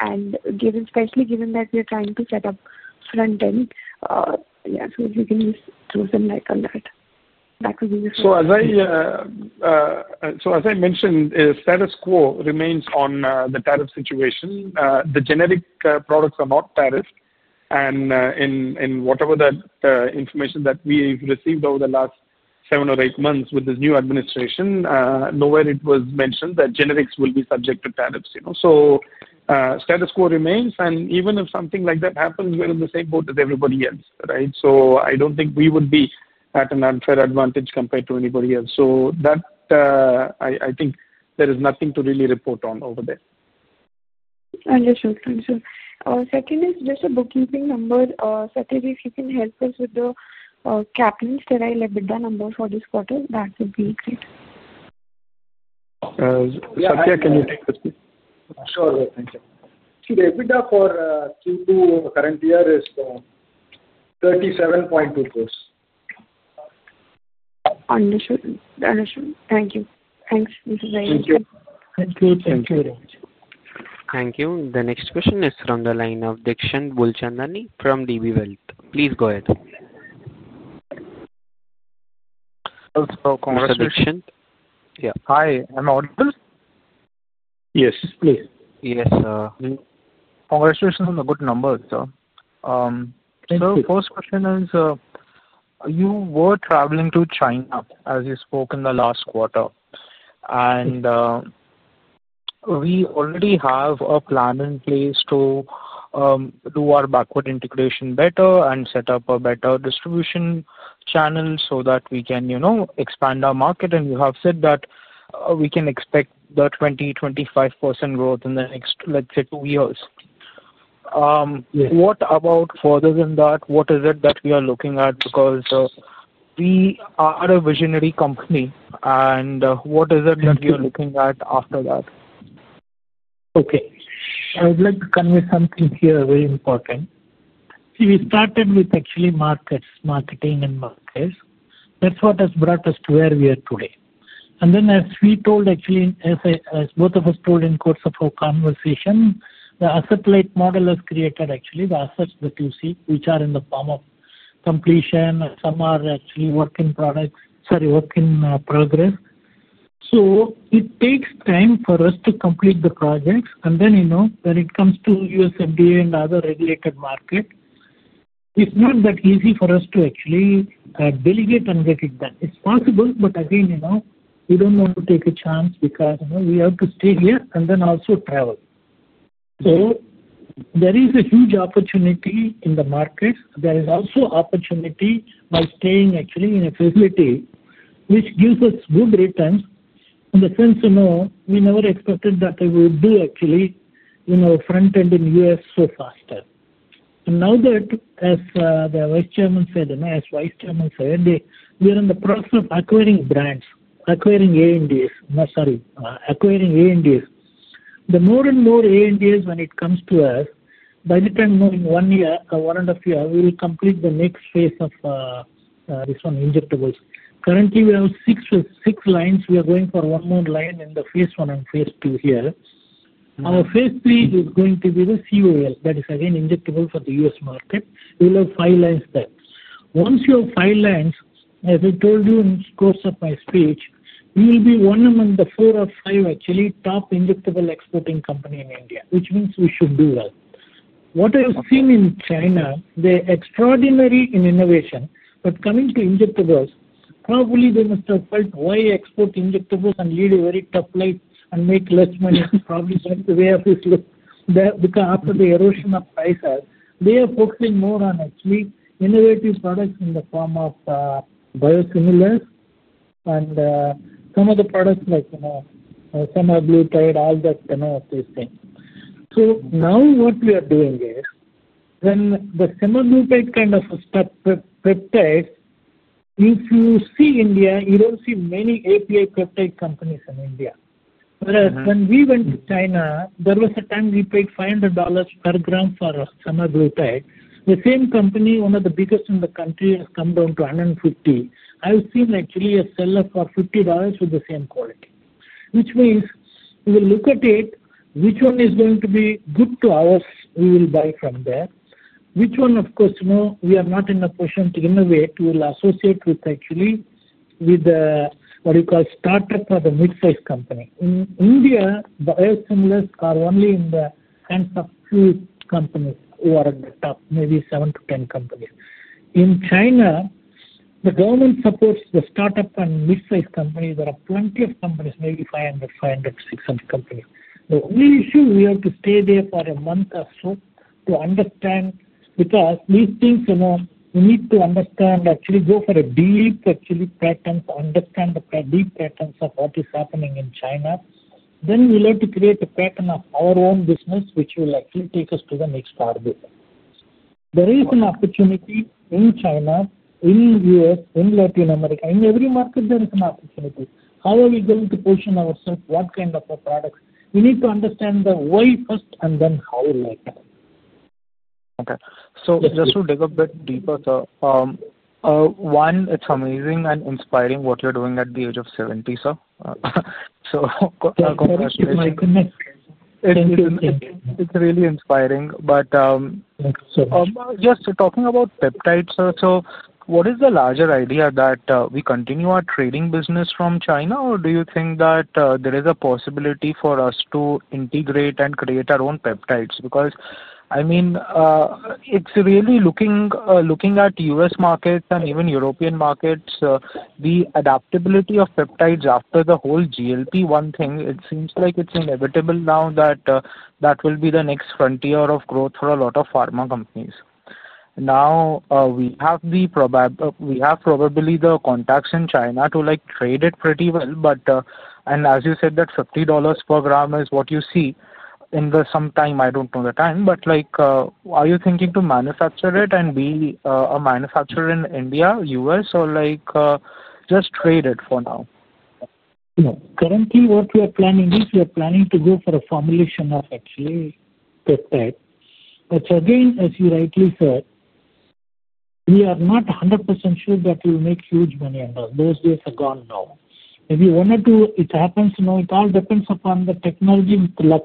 and especially given that we are trying to set up front-end. Yeah. So if you can just throw some light on that. That would be useful. So as I. So as I mentioned, status quo remains on the tariff situation. The generic products are not tariffed. And in whatever the information that we've received over the last seven or eight months with this new administration, nowhere it was mentioned that generics will be subject to tariffs. So. Status quo remains. And even if something like that happens, we're in the same boat as everybody else, right? So I don't think we would be at an unfair advantage compared to anybody else. So that. I think there is nothing to really report on over there. Understood. Understood. Second is just a bookkeeping number. Sathya, if you can help us with the Caplin Steriles EBITDA number for this quarter, that would be great. Sathya, can you take this please? Sure. Thank you. See the EBITDA for Q2 current year is. 37.2 crores. Understood. Understood. Thank you. Thanks. This is very useful. Thank you. Thank you. Thank you very much. Thank you. The next question is from the line of Deekshant Boolchandani from DB Wealth. Please go ahead. Hello. So congratulations. Satya Deekshant? Yeah. Hi. Am I audible? Yes. Please. Yes. Congratulations on the good numbers, sir. So first question is. You were traveling to China as you spoke in the last quarter. And. We already have a plan in place to. Do our backward integration better and set up a better distribution channel so that we can expand our market. And you have said that we can expect the 20%, 25% growth in the next, let's say, two years. What about further than that? What is it that we are looking at? Because. We are a visionary company. And what is it that you're looking at after that? Okay. I would like to convey something here very important. See, we started with actually markets, marketing and markets. That's what has brought us to where we are today. And then as we told, actually, as both of us told in course of our conversation, the asset-light model has created actually the assets that you see, which are in the form of completion. Some are actually work in progress. So it takes time for us to complete the projects. And then when it comes to U.S. FDA and other regulated markets. It's not that easy for us to actually delegate and get it done. It's possible, but again, we don't want to take a chance because we have to stay here and then also travel. So. There is a huge opportunity in the markets. There is also opportunity by staying actually in a facility which gives us good returns in the sense we never expected that we would do actually front-end in the U.S. so faster. And now that, as the Vice Chairman said, as Vice Chairman said, we are in the process of acquiring brands, acquiring ANDAs. No, sorry. Acquiring ANDAs. The more and more ANDAs when it comes to us, by the time in one year or one and a half year, we will complete the next phase of. This one, injectables. Currently, we have six lines. We are going for one more line in the phase I and phase II here. Our phase III is going to be the COL. That is, again, injectable for the U.S. market. We will have five lines there. Once you have five lines, as I told you in the course of my speech, we will be one among the four or five actually top injectable exporting company in India, which means we should do well. What I have seen in China, they're extraordinary in innovation, but coming to injectables, probably they must have felt why export injectables and lead a very tough life and make less money. Probably that's the way of this look. After the erosion of prices, they are focusing more on actually innovative products in the form of. Biosimilars and some of the products like. Semaglutide, all that kind of these things. So now what we are doing is when the semaglutide kind of prepares. If you see India, you don't see many API peptide companies in India. Whereas when we went to China, there was a time we paid $500 per gram for semaglutide. The same company, one of the biggest in the country, has come down to 150. I've seen actually a seller for $50 with the same quality, which means we will look at it, which one is going to be good to us, we will buy from there. Which one, of course, we are not in a position to innovate, we will associate with actually with. What you call startup or the mid-size company. In India, biosimilars are only in the hands of few companies who are at the top, maybe 7-10 companies. In China, the government supports the startup and mid-size companies. There are plenty of companies, maybe 500, 500, 600 companies. The only issue, we have to stay there for a month or so to understand. Because these things, we need to understand, actually go for a deep, actually pattern to understand the deep patterns of what is happening in China. Then we'll have to create a pattern of our own business, which will actually take us to the next target. There is an opportunity in China, in the U.S., in Latin America, in every market there is an opportunity. How are we going to position ourself, what kind of products? We need to understand the why first and then how later. Okay. So just to dig a bit deeper, sir. One, it's amazing and inspiring what you're doing at the age of 70, sir. So congratulations. Thank you. My goodness. Thank you. It's really inspiring. But. Thank you so much. Just talking about peptides, sir, so what is the larger idea, that we continue our trading business from China, or do you think that there is a possibility for us to integrate and create our own peptides? Because, I mean. It's really looking at U.S. markets and even European markets, the adaptability of peptides after the whole GLP-1 thing, it seems like it's inevitable now that that will be the next frontier of growth for a lot of pharma companies. Now, we have probably the contacts in China to trade it pretty well. And as you said, that $50 per gram is what you see in the sometime, I don't know the time, but are you thinking to manufacture it and be a manufacturer in India, US, or. Just trade it for now? No. Currently, what we are planning is we are planning to go for a formulation of actually peptide. But again, as you rightly said. We are not 100% sure that we will make huge money on those. Those days are gone now. Maybe one or two, it happens. It all depends upon the technology with luck.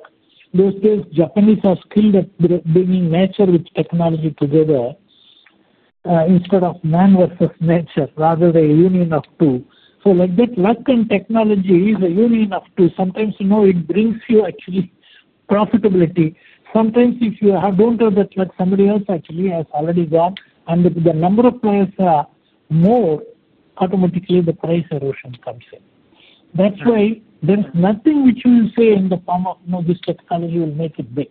Those days, Japanese are skilled at bringing nature with technology together. Instead of man versus nature, rather a union of two. So that luck and technology is a union of two. Sometimes it brings you actually profitability. Sometimes if you don't have that luck, somebody else actually has already gone. And if the number of players are more, automatically the price erosion comes in. That's why there's nothing which we will say in the form of, "This technology will make it big.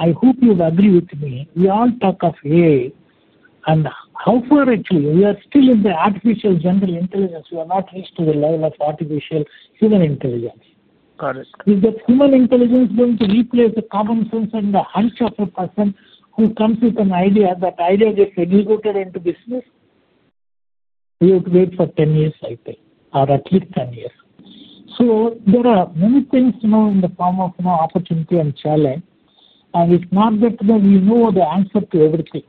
I hope you've agreed with me." We all talk of AI. And how far, actually, we are still in the artificial general intelligence. We are not reached to the level of artificial human intelligence. Got it. Is that human intelligence going to replace the common sense and the hunch of a person who comes with an idea? That idea gets executed into business. You have to wait for 10 years, I think, or at least 10 years. So there are many things in the form of opportunity and challenge. And it's not that we know the answer to everything.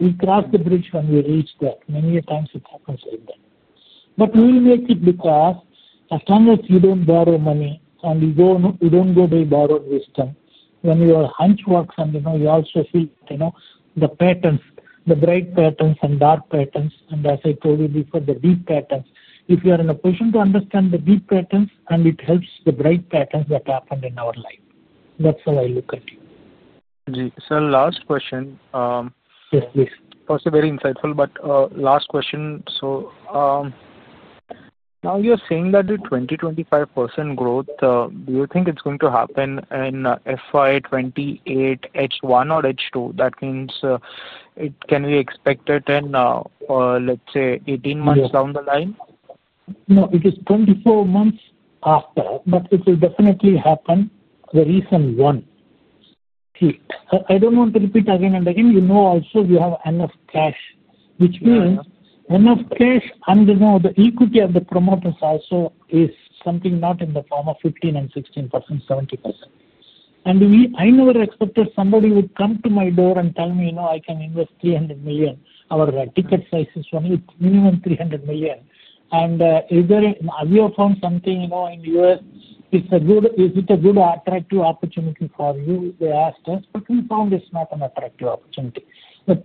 We cross the bridge when we reach that. Many times it happens like that. But we will make it because as long as you don't borrow money and you don't go by borrowed wisdom, when your hunch works and you also see the patterns, the bright patterns and dark patterns, and as I told you before, the deep patterns, if you are in a position to understand the deep patterns, it helps the bright patterns that happen in our life. That's how I look at it. Sir, last question. Yes, please. First, very insightful. But last question. So. Now you're saying that the 20%, 25% growth, do you think it's going to happen in FY 2028 H1 or H2? That means it can be expected in, let's say, 18 months down the line? No, it is 24 months after, but it will definitely happen. The reason one. I don't want to repeat again and again. You know also we have enough cash, which means enough cash and the equity of the promoters also is something not in the form of 15% and 16%, 70%. And I never expected somebody would come to my door and tell me, "I can invest $300 million." Our ticket price is minimum $300 million. And have you found something in the U.S.? Is it a good attractive opportunity for you? They asked us. What we found is not an attractive opportunity. The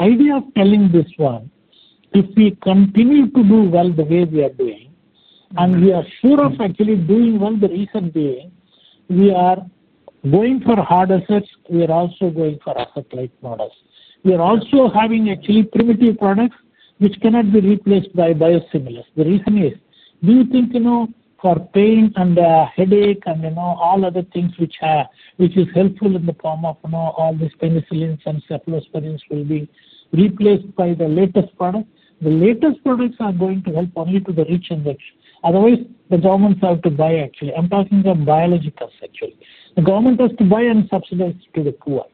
idea of telling this one, if we continue to do well the way we are doing, and we are sure of actually doing well the reason being we are going for hard assets, we are also going for asset-light models. We are also having actually primitive products which cannot be replaced by biosimilars. The reason is, do you think for pain and headache and all other things which. Is helpful in the form of all these penicillins and cephalosporins will be replaced by the latest products? The latest products are going to help only to the rich and the otherwise, the government has to buy actually. I'm talking of biologicals actually. The government has to buy and subsidize to the poor.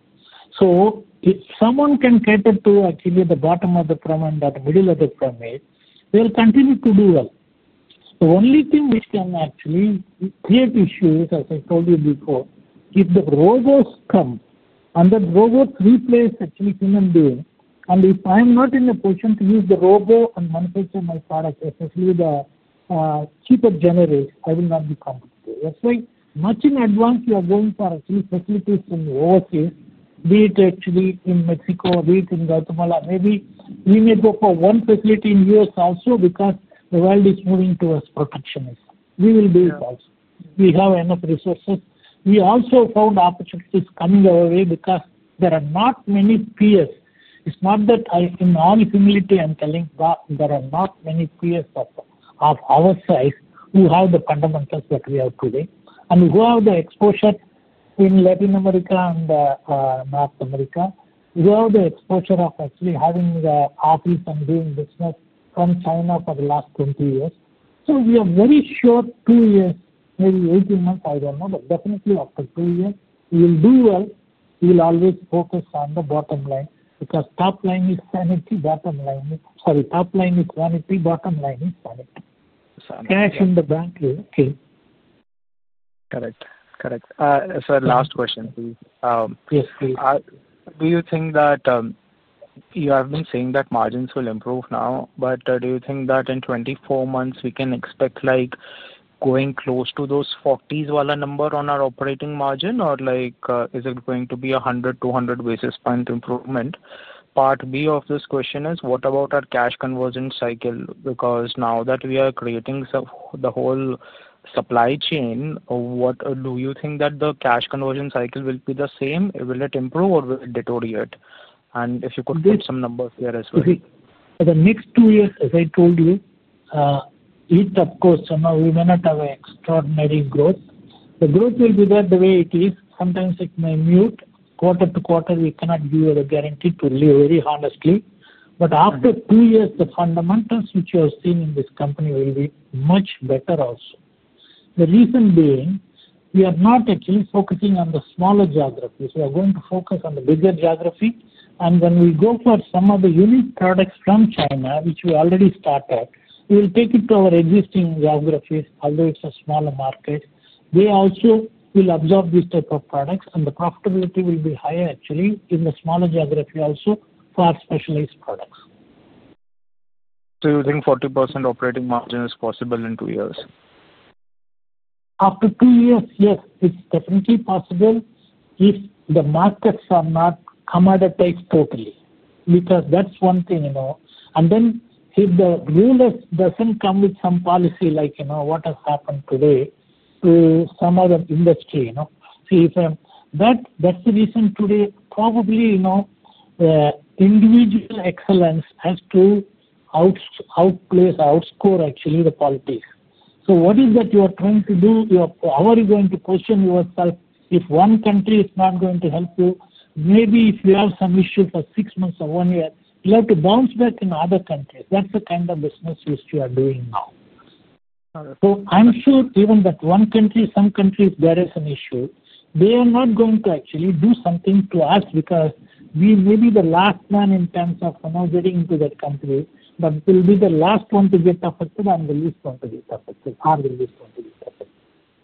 So if someone can cater to actually the bottom of the from and that middle of the from, they'll continue to do well. The only thing which can actually create issues, as I told you before, if the robots come and that robot replaced actually human being, and if I'm not in a position to use the robot and manufacture my products, especially the. Cheaper generators, I will not be comfortable. That's why much in advance we are going for actually facilities in the overseas, be it actually in Mexico, be it in Guatemala. Maybe we may go for one facility in the U.S. also because the world is moving towards protectionism. We will do it also. We have enough resources. We also found opportunities coming our way because there are not many peers. It's not that in all humility I'm telling, there are not many peers of our size who have the fundamentals that we have today. And who have the exposure in Latin America and North America? Who have the exposure of actually having the office and doing business from China for the last 20 years? So we are very sure two years, maybe 18 months, I don't know, but definitely after two years, we will do well. We will always focus on the bottom line because top line is sanity, bottom line is sorry, top line is sanity, bottom line is sanity. Sanity. Cash in the bank, okay. Correct. Correct. Sir, last question. Yes, please. Do you think that. You have been saying that margins will improve now, but do you think that in 24 months we can expect. Going close to those 40s valor number on our operating margin, or is it going to be 100 basis point, 200 basis point improvement? Part B of this question is, what about our cash conversion cycle? Because now that we are creating the whole supply chain, do you think that the cash conversion cycle will be the same? Will it improve or will it deteriorate? And if you could put some numbers there as well. The next two years, as I told you. It, of course, we may not have extraordinary growth. The growth will be there the way it is. Sometimes it may mute. Quarter to quarter, we cannot give you a guarantee to live very honestly. But after two years, the fundamentals which you have seen in this company will be much better also. The reason being, we are not actually focusing on the smaller geographies. We are going to focus on the bigger geography. And when we go for some of the unique products from China, which we already started, we will take it to our existing geographies, although it's a smaller market. They also will absorb these types of products, and the profitability will be higher actually in the smaller geography also for our specialized products. So you think 40% operating margin is possible in two years? After two years, yes. It's definitely possible if the markets are not commoditized totally. Because that's one thing. And then if the rulers doesn't come with some policy like what has happened today to some other industry. That's the reason today, probably. Individual excellence has to. Outplace, outscore actually the politics. So what is that you are trying to do? How are you going to position yourself if one country is not going to help you? Maybe if you have some issue for six months or one year, you'll have to bounce back in other countries. That's the kind of business which you are doing now. So I'm sure even that one country, some countries, there is an issue. They are not going to actually do something to us because we may be the last man in terms of getting into that country, but we'll be the last one to get affected and the least one to get affected, or the least one to get affected.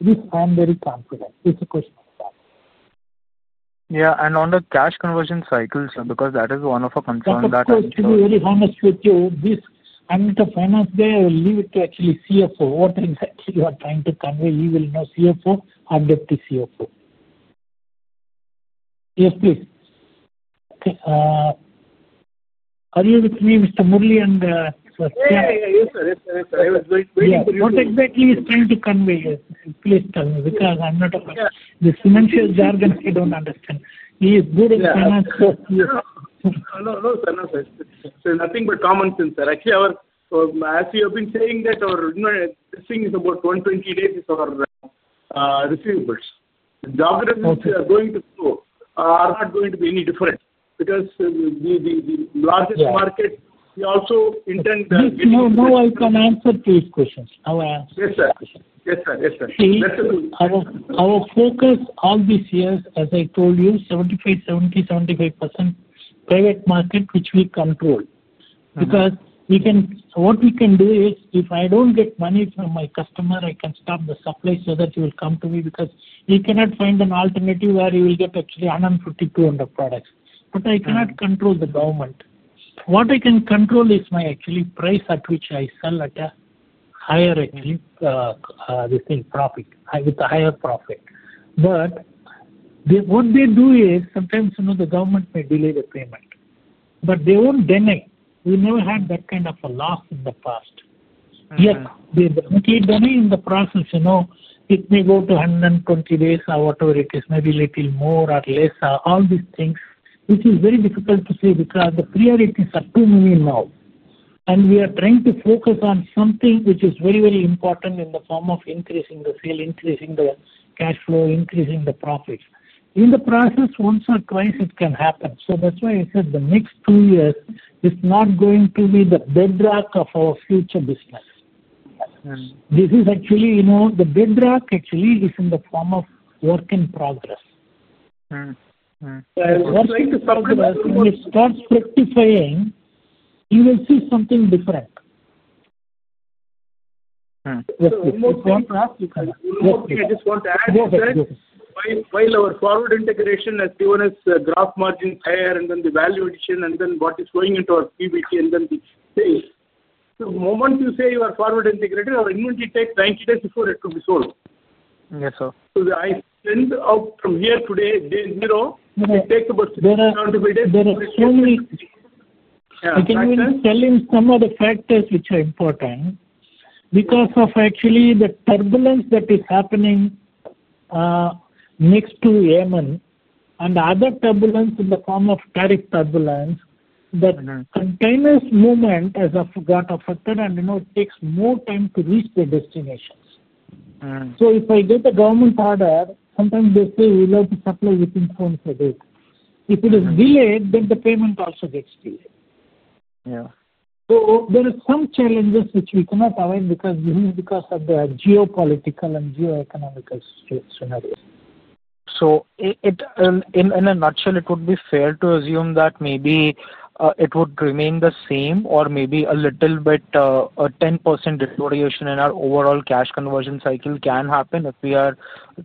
This I am very confident. It's a question of that. Yeah. And on the cash conversion cycles, because that is one of the concerns that I'm seeing. I'm going to be very honest with you. I need to finance there. I will leave it to actually CFO. What exactly you are trying to convey, you will know CFO or deputy CFO. Yes, please. Are you with me, Mr. Murali? Yeah. Yes, sir. Yes, sir. Yes, sir. I was waiting for you to. What exactly he's trying to convey, please tell me. Because I'm not a financial jargon, I don't understand. He is good in finance. No, no, sir. No, sir. So nothing but common sense, sir. Actually, as you have been saying, that our thing is about 120 days is our. Receivables. The geographies we are going to go are not going to be any different. Because. The largest market, we also intend. Now I can answer to his questions. How I answered his question. Yes, sir. Yes, sir. Our focus all these years, as I told you, 75%, 70%, 75% private market, which we control. Because what we can do is, if I don't get money from my customer, I can stop the supply so that you will come to me. Because you cannot find an alternative where you will get actually 150-200 products. But I cannot control the government. What I can control is my actually price at which I sell at a higher actually. Profit, with a higher profit. But. What they do is, sometimes the government may delay the payment. But they won't deny. We never had that kind of a loss in the past. Yet, they don't deny in the process. It may go to 120 days or whatever it is, maybe a little more or less, all these things, which is very difficult to say because the priorities are too many now. And we are trying to focus on something which is very, very important in the form of increasing the sale, increasing the cash flow, increasing the profits. In the process, once or twice, it can happen. So that's why I said the next two years is not going to be the bedrock of our future business. This is actually the bedrock actually is in the form of work in progress. So trying to supplement. When it starts rectifying. You will see something different. Yes, please. It's one path because. Yes, please. I just want to add to that. While our forward integration has given us graph margins higher and then the value addition and then what is going into our PBT and then the sales. So the moment you say you are forward integrated, our inventory takes 90 days before it can be sold. Yes, sir. So I spend out from here today, day zero, it takes about 60,000. Can you tell him some of the factors which are important? Because of actually the turbulence that is happening. Next to Yemen and other turbulence in the form of tariff turbulence, that containers movement has got affected and it takes more time to reach the destinations. So if I get the government order, sometimes they say, "We'll have to supply within four to eight days." If it is delayed, then the payment also gets delayed. Yeah. So there are some challenges which we cannot avoid because of the geopolitical and geoeconomical scenarios. So in a nutshell, it would be fair to assume that maybe it would remain the same or maybe a little bit. A 10% deterioration in our overall cash conversion cycle can happen if we are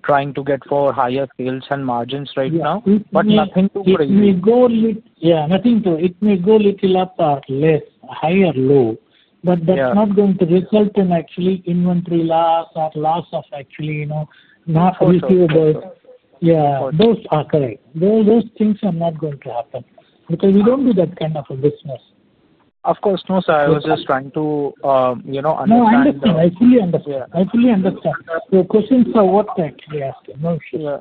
trying to get for higher sales and margins right now. But nothing too crazy. It may go a little, yeah, nothing to it may go a little up or less, higher low. But that's not going to result in actually inventory loss or loss of actually. Not receivable. Of course. Yeah. Those are correct. Those things are not going to happen. Because we don't do that kind of a business. Of course. No, sir. I was just trying to. Understand. No, I understand. I fully understand. I fully understand. Your questions are what actually I asked. No issues. Yeah.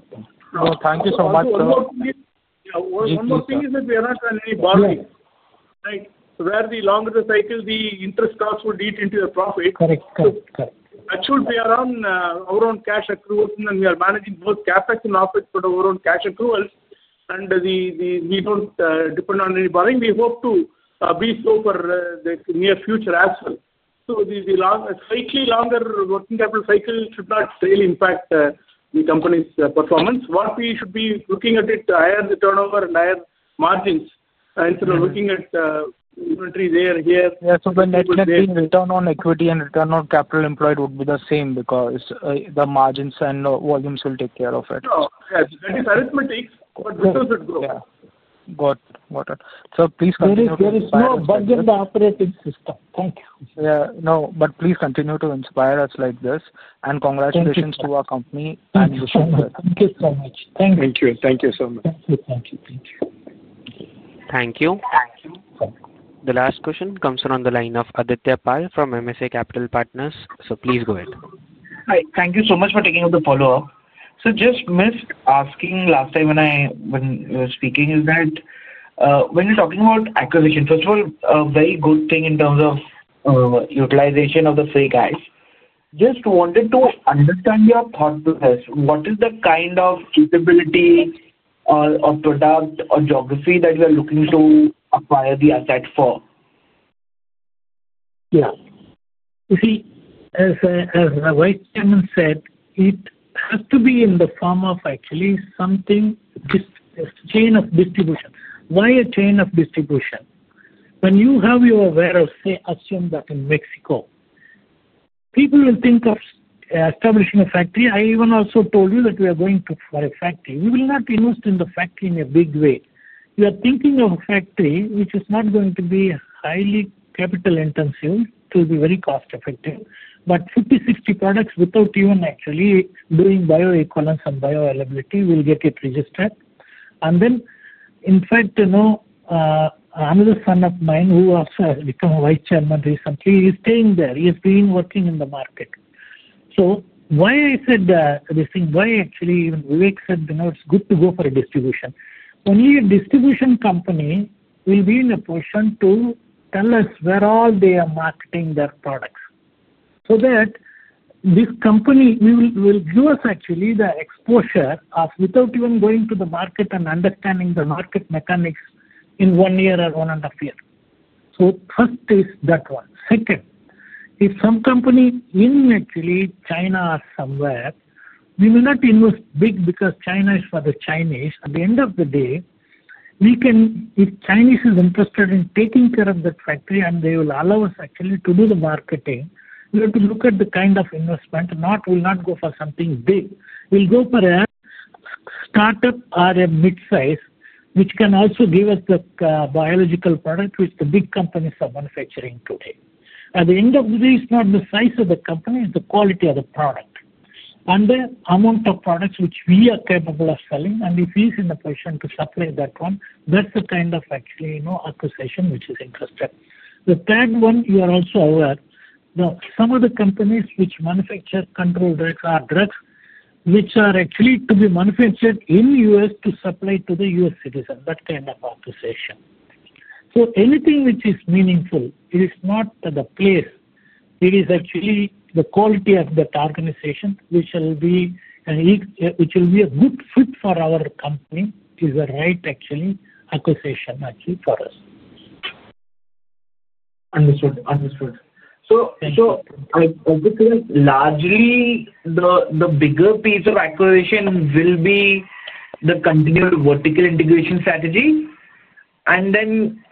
Well, thank you so much, sir. Yeah. One more thing is that we are not on any borrowing. Yeah. Right? So rarely, longer the cycle, the interest costs would eat into your profit. Correct. Correct. Correct. Actually, we are on our own cash accruals and we are managing both CapEx and OpEx for our own cash accruals. And we don't depend on any borrowing. We hope to be so for the near future as well. So the slightly longer working capital cycle should not really impact the company's performance. What we should be looking at is higher turnover and higher margins. Instead of looking at inventory there, here. Yeah. So the net return on equity and return on capital employed would be the same because the margins and volumes will take care of it. Yes. That is arithmetic, but this is what grows. Yeah. Got it. Please continue. There is no bug in the operating system. Thank you. Yeah. No. But please continue to inspire us like this. And congratulations to our company. Thank you so much. Thank you. Thank you. Thank you so much. Thank you. Thank you. Thank you. The last question comes from the line of Adityapal from MSA Capital Partners. So please go ahead. Hi. Thank you so much for taking up the follow-up. So just missed asking last time when I was speaking is that. When we're talking about acquisition, first of all, a very good thing in terms of. Utilization of the free cash. Just wanted to understand your thought process. What is the kind of capability. Or product or geography that you are looking to acquire the asset for? Yeah. You see, as the Vice Chairman said, it has to be in the form of actually something. Chain of distribution. Why a chain of distribution? When you have your warehouse, say, assume that in Mexico. People will think of establishing a factory. I even also told you that we are going to for a factory. We will not invest in the factory in a big way. You are thinking of a factory which is not going to be highly capital intensive to be very cost-effective. But 50, 60 products without even actually doing bioequivalence and bioavailability will get it registered. And then, in fact. Another son of mine who also has become a Vice Chairman recently is staying there. He has been working in the market. So why I said this thing, why actually even Vivek said it's good to go for a distribution. Only a distribution company will be in a position to tell us where all they are marketing their products. So that. This company will give us actually the exposure without even going to the market and understanding the market mechanics in one year or one and a half years. So first is that one. Second, if some company in actually China or somewhere, we may not invest big because China is for the Chinese. At the end of the day. If Chinese is interested in taking care of that factory and they will allow us actually to do the marketing, we have to look at the kind of investment. We will not go for something big. We'll go for a. Startup or a mid-size which can also give us the biological product which the big companies are manufacturing today. At the end of the day, it's not the size of the company, it's the quality of the product. And the amount of products which we are capable of selling and if he's in a position to supply that one, that's the kind of actually acquisition which is interested. The third one, you are also aware, some of the companies which manufacture controlled drugs or drugs which are actually to be manufactured in the U.S. to supply to the U.S. citizens, that kind of acquisition. So anything which is meaningful, it is not the place. It is actually the quality of that organization which will be. A good fit for our company is a right actually acquisition actually for us. Understood. Understood. So. Thank you. I think largely. The bigger piece of acquisition will be the continued vertical integration strategy. And then.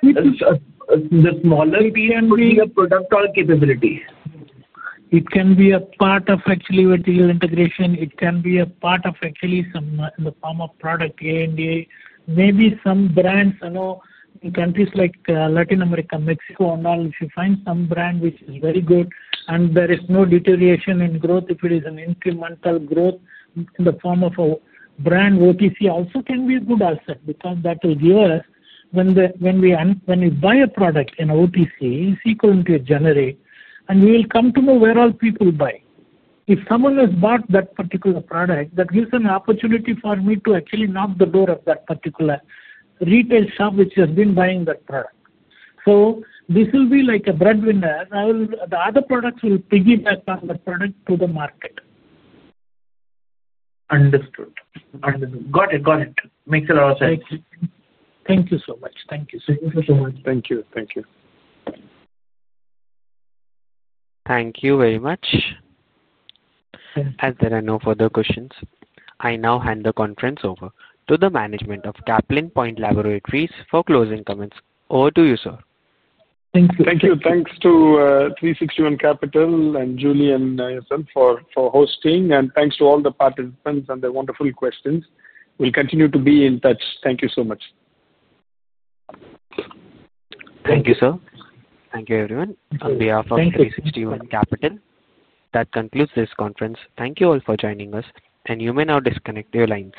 The smaller P&V. Could be a product or capability. It can be a part of actually vertical integration. It can be a part of actually in the form of product ANDA. Maybe some brands in countries like Latin America, Mexico, and all, if you find some brand which is very good and there is no deterioration in growth, if it is an incremental growth in the form of a brand, OTC also can be a good asset because that will give us when we buy a product in OTC, it's equal to generate. And we will come to know where all people buy. If someone has bought that particular product, that gives an opportunity for me to actually knock the door of that particular. Retail shop which has been buying that product. So this will be like a breadwinner. The other products will piggyback on the product to the market. Understood. Understood. Got it. Got it. Makes a lot of sense. Thank you. Thank you so much. Thank you. Thank you so much. Thank you. Thank you. Thank you. Thank you. Thank you very much. As there are no further questions, I now hand the conference over to the management of Caplin Point Laboratories for closing comments. Over to you, sir. Thank you. Thank you. Thanks to 360 ONE Capital and Julie and myself for hosting. And thanks to all the participants and the wonderful questions. We'll continue to be in touch. Thank you so much. Thank you, sir. Thank you, everyone. On behalf of 360 ONE Capital, that concludes this conference. Thank you all for joining us. And you may now disconnect your lines.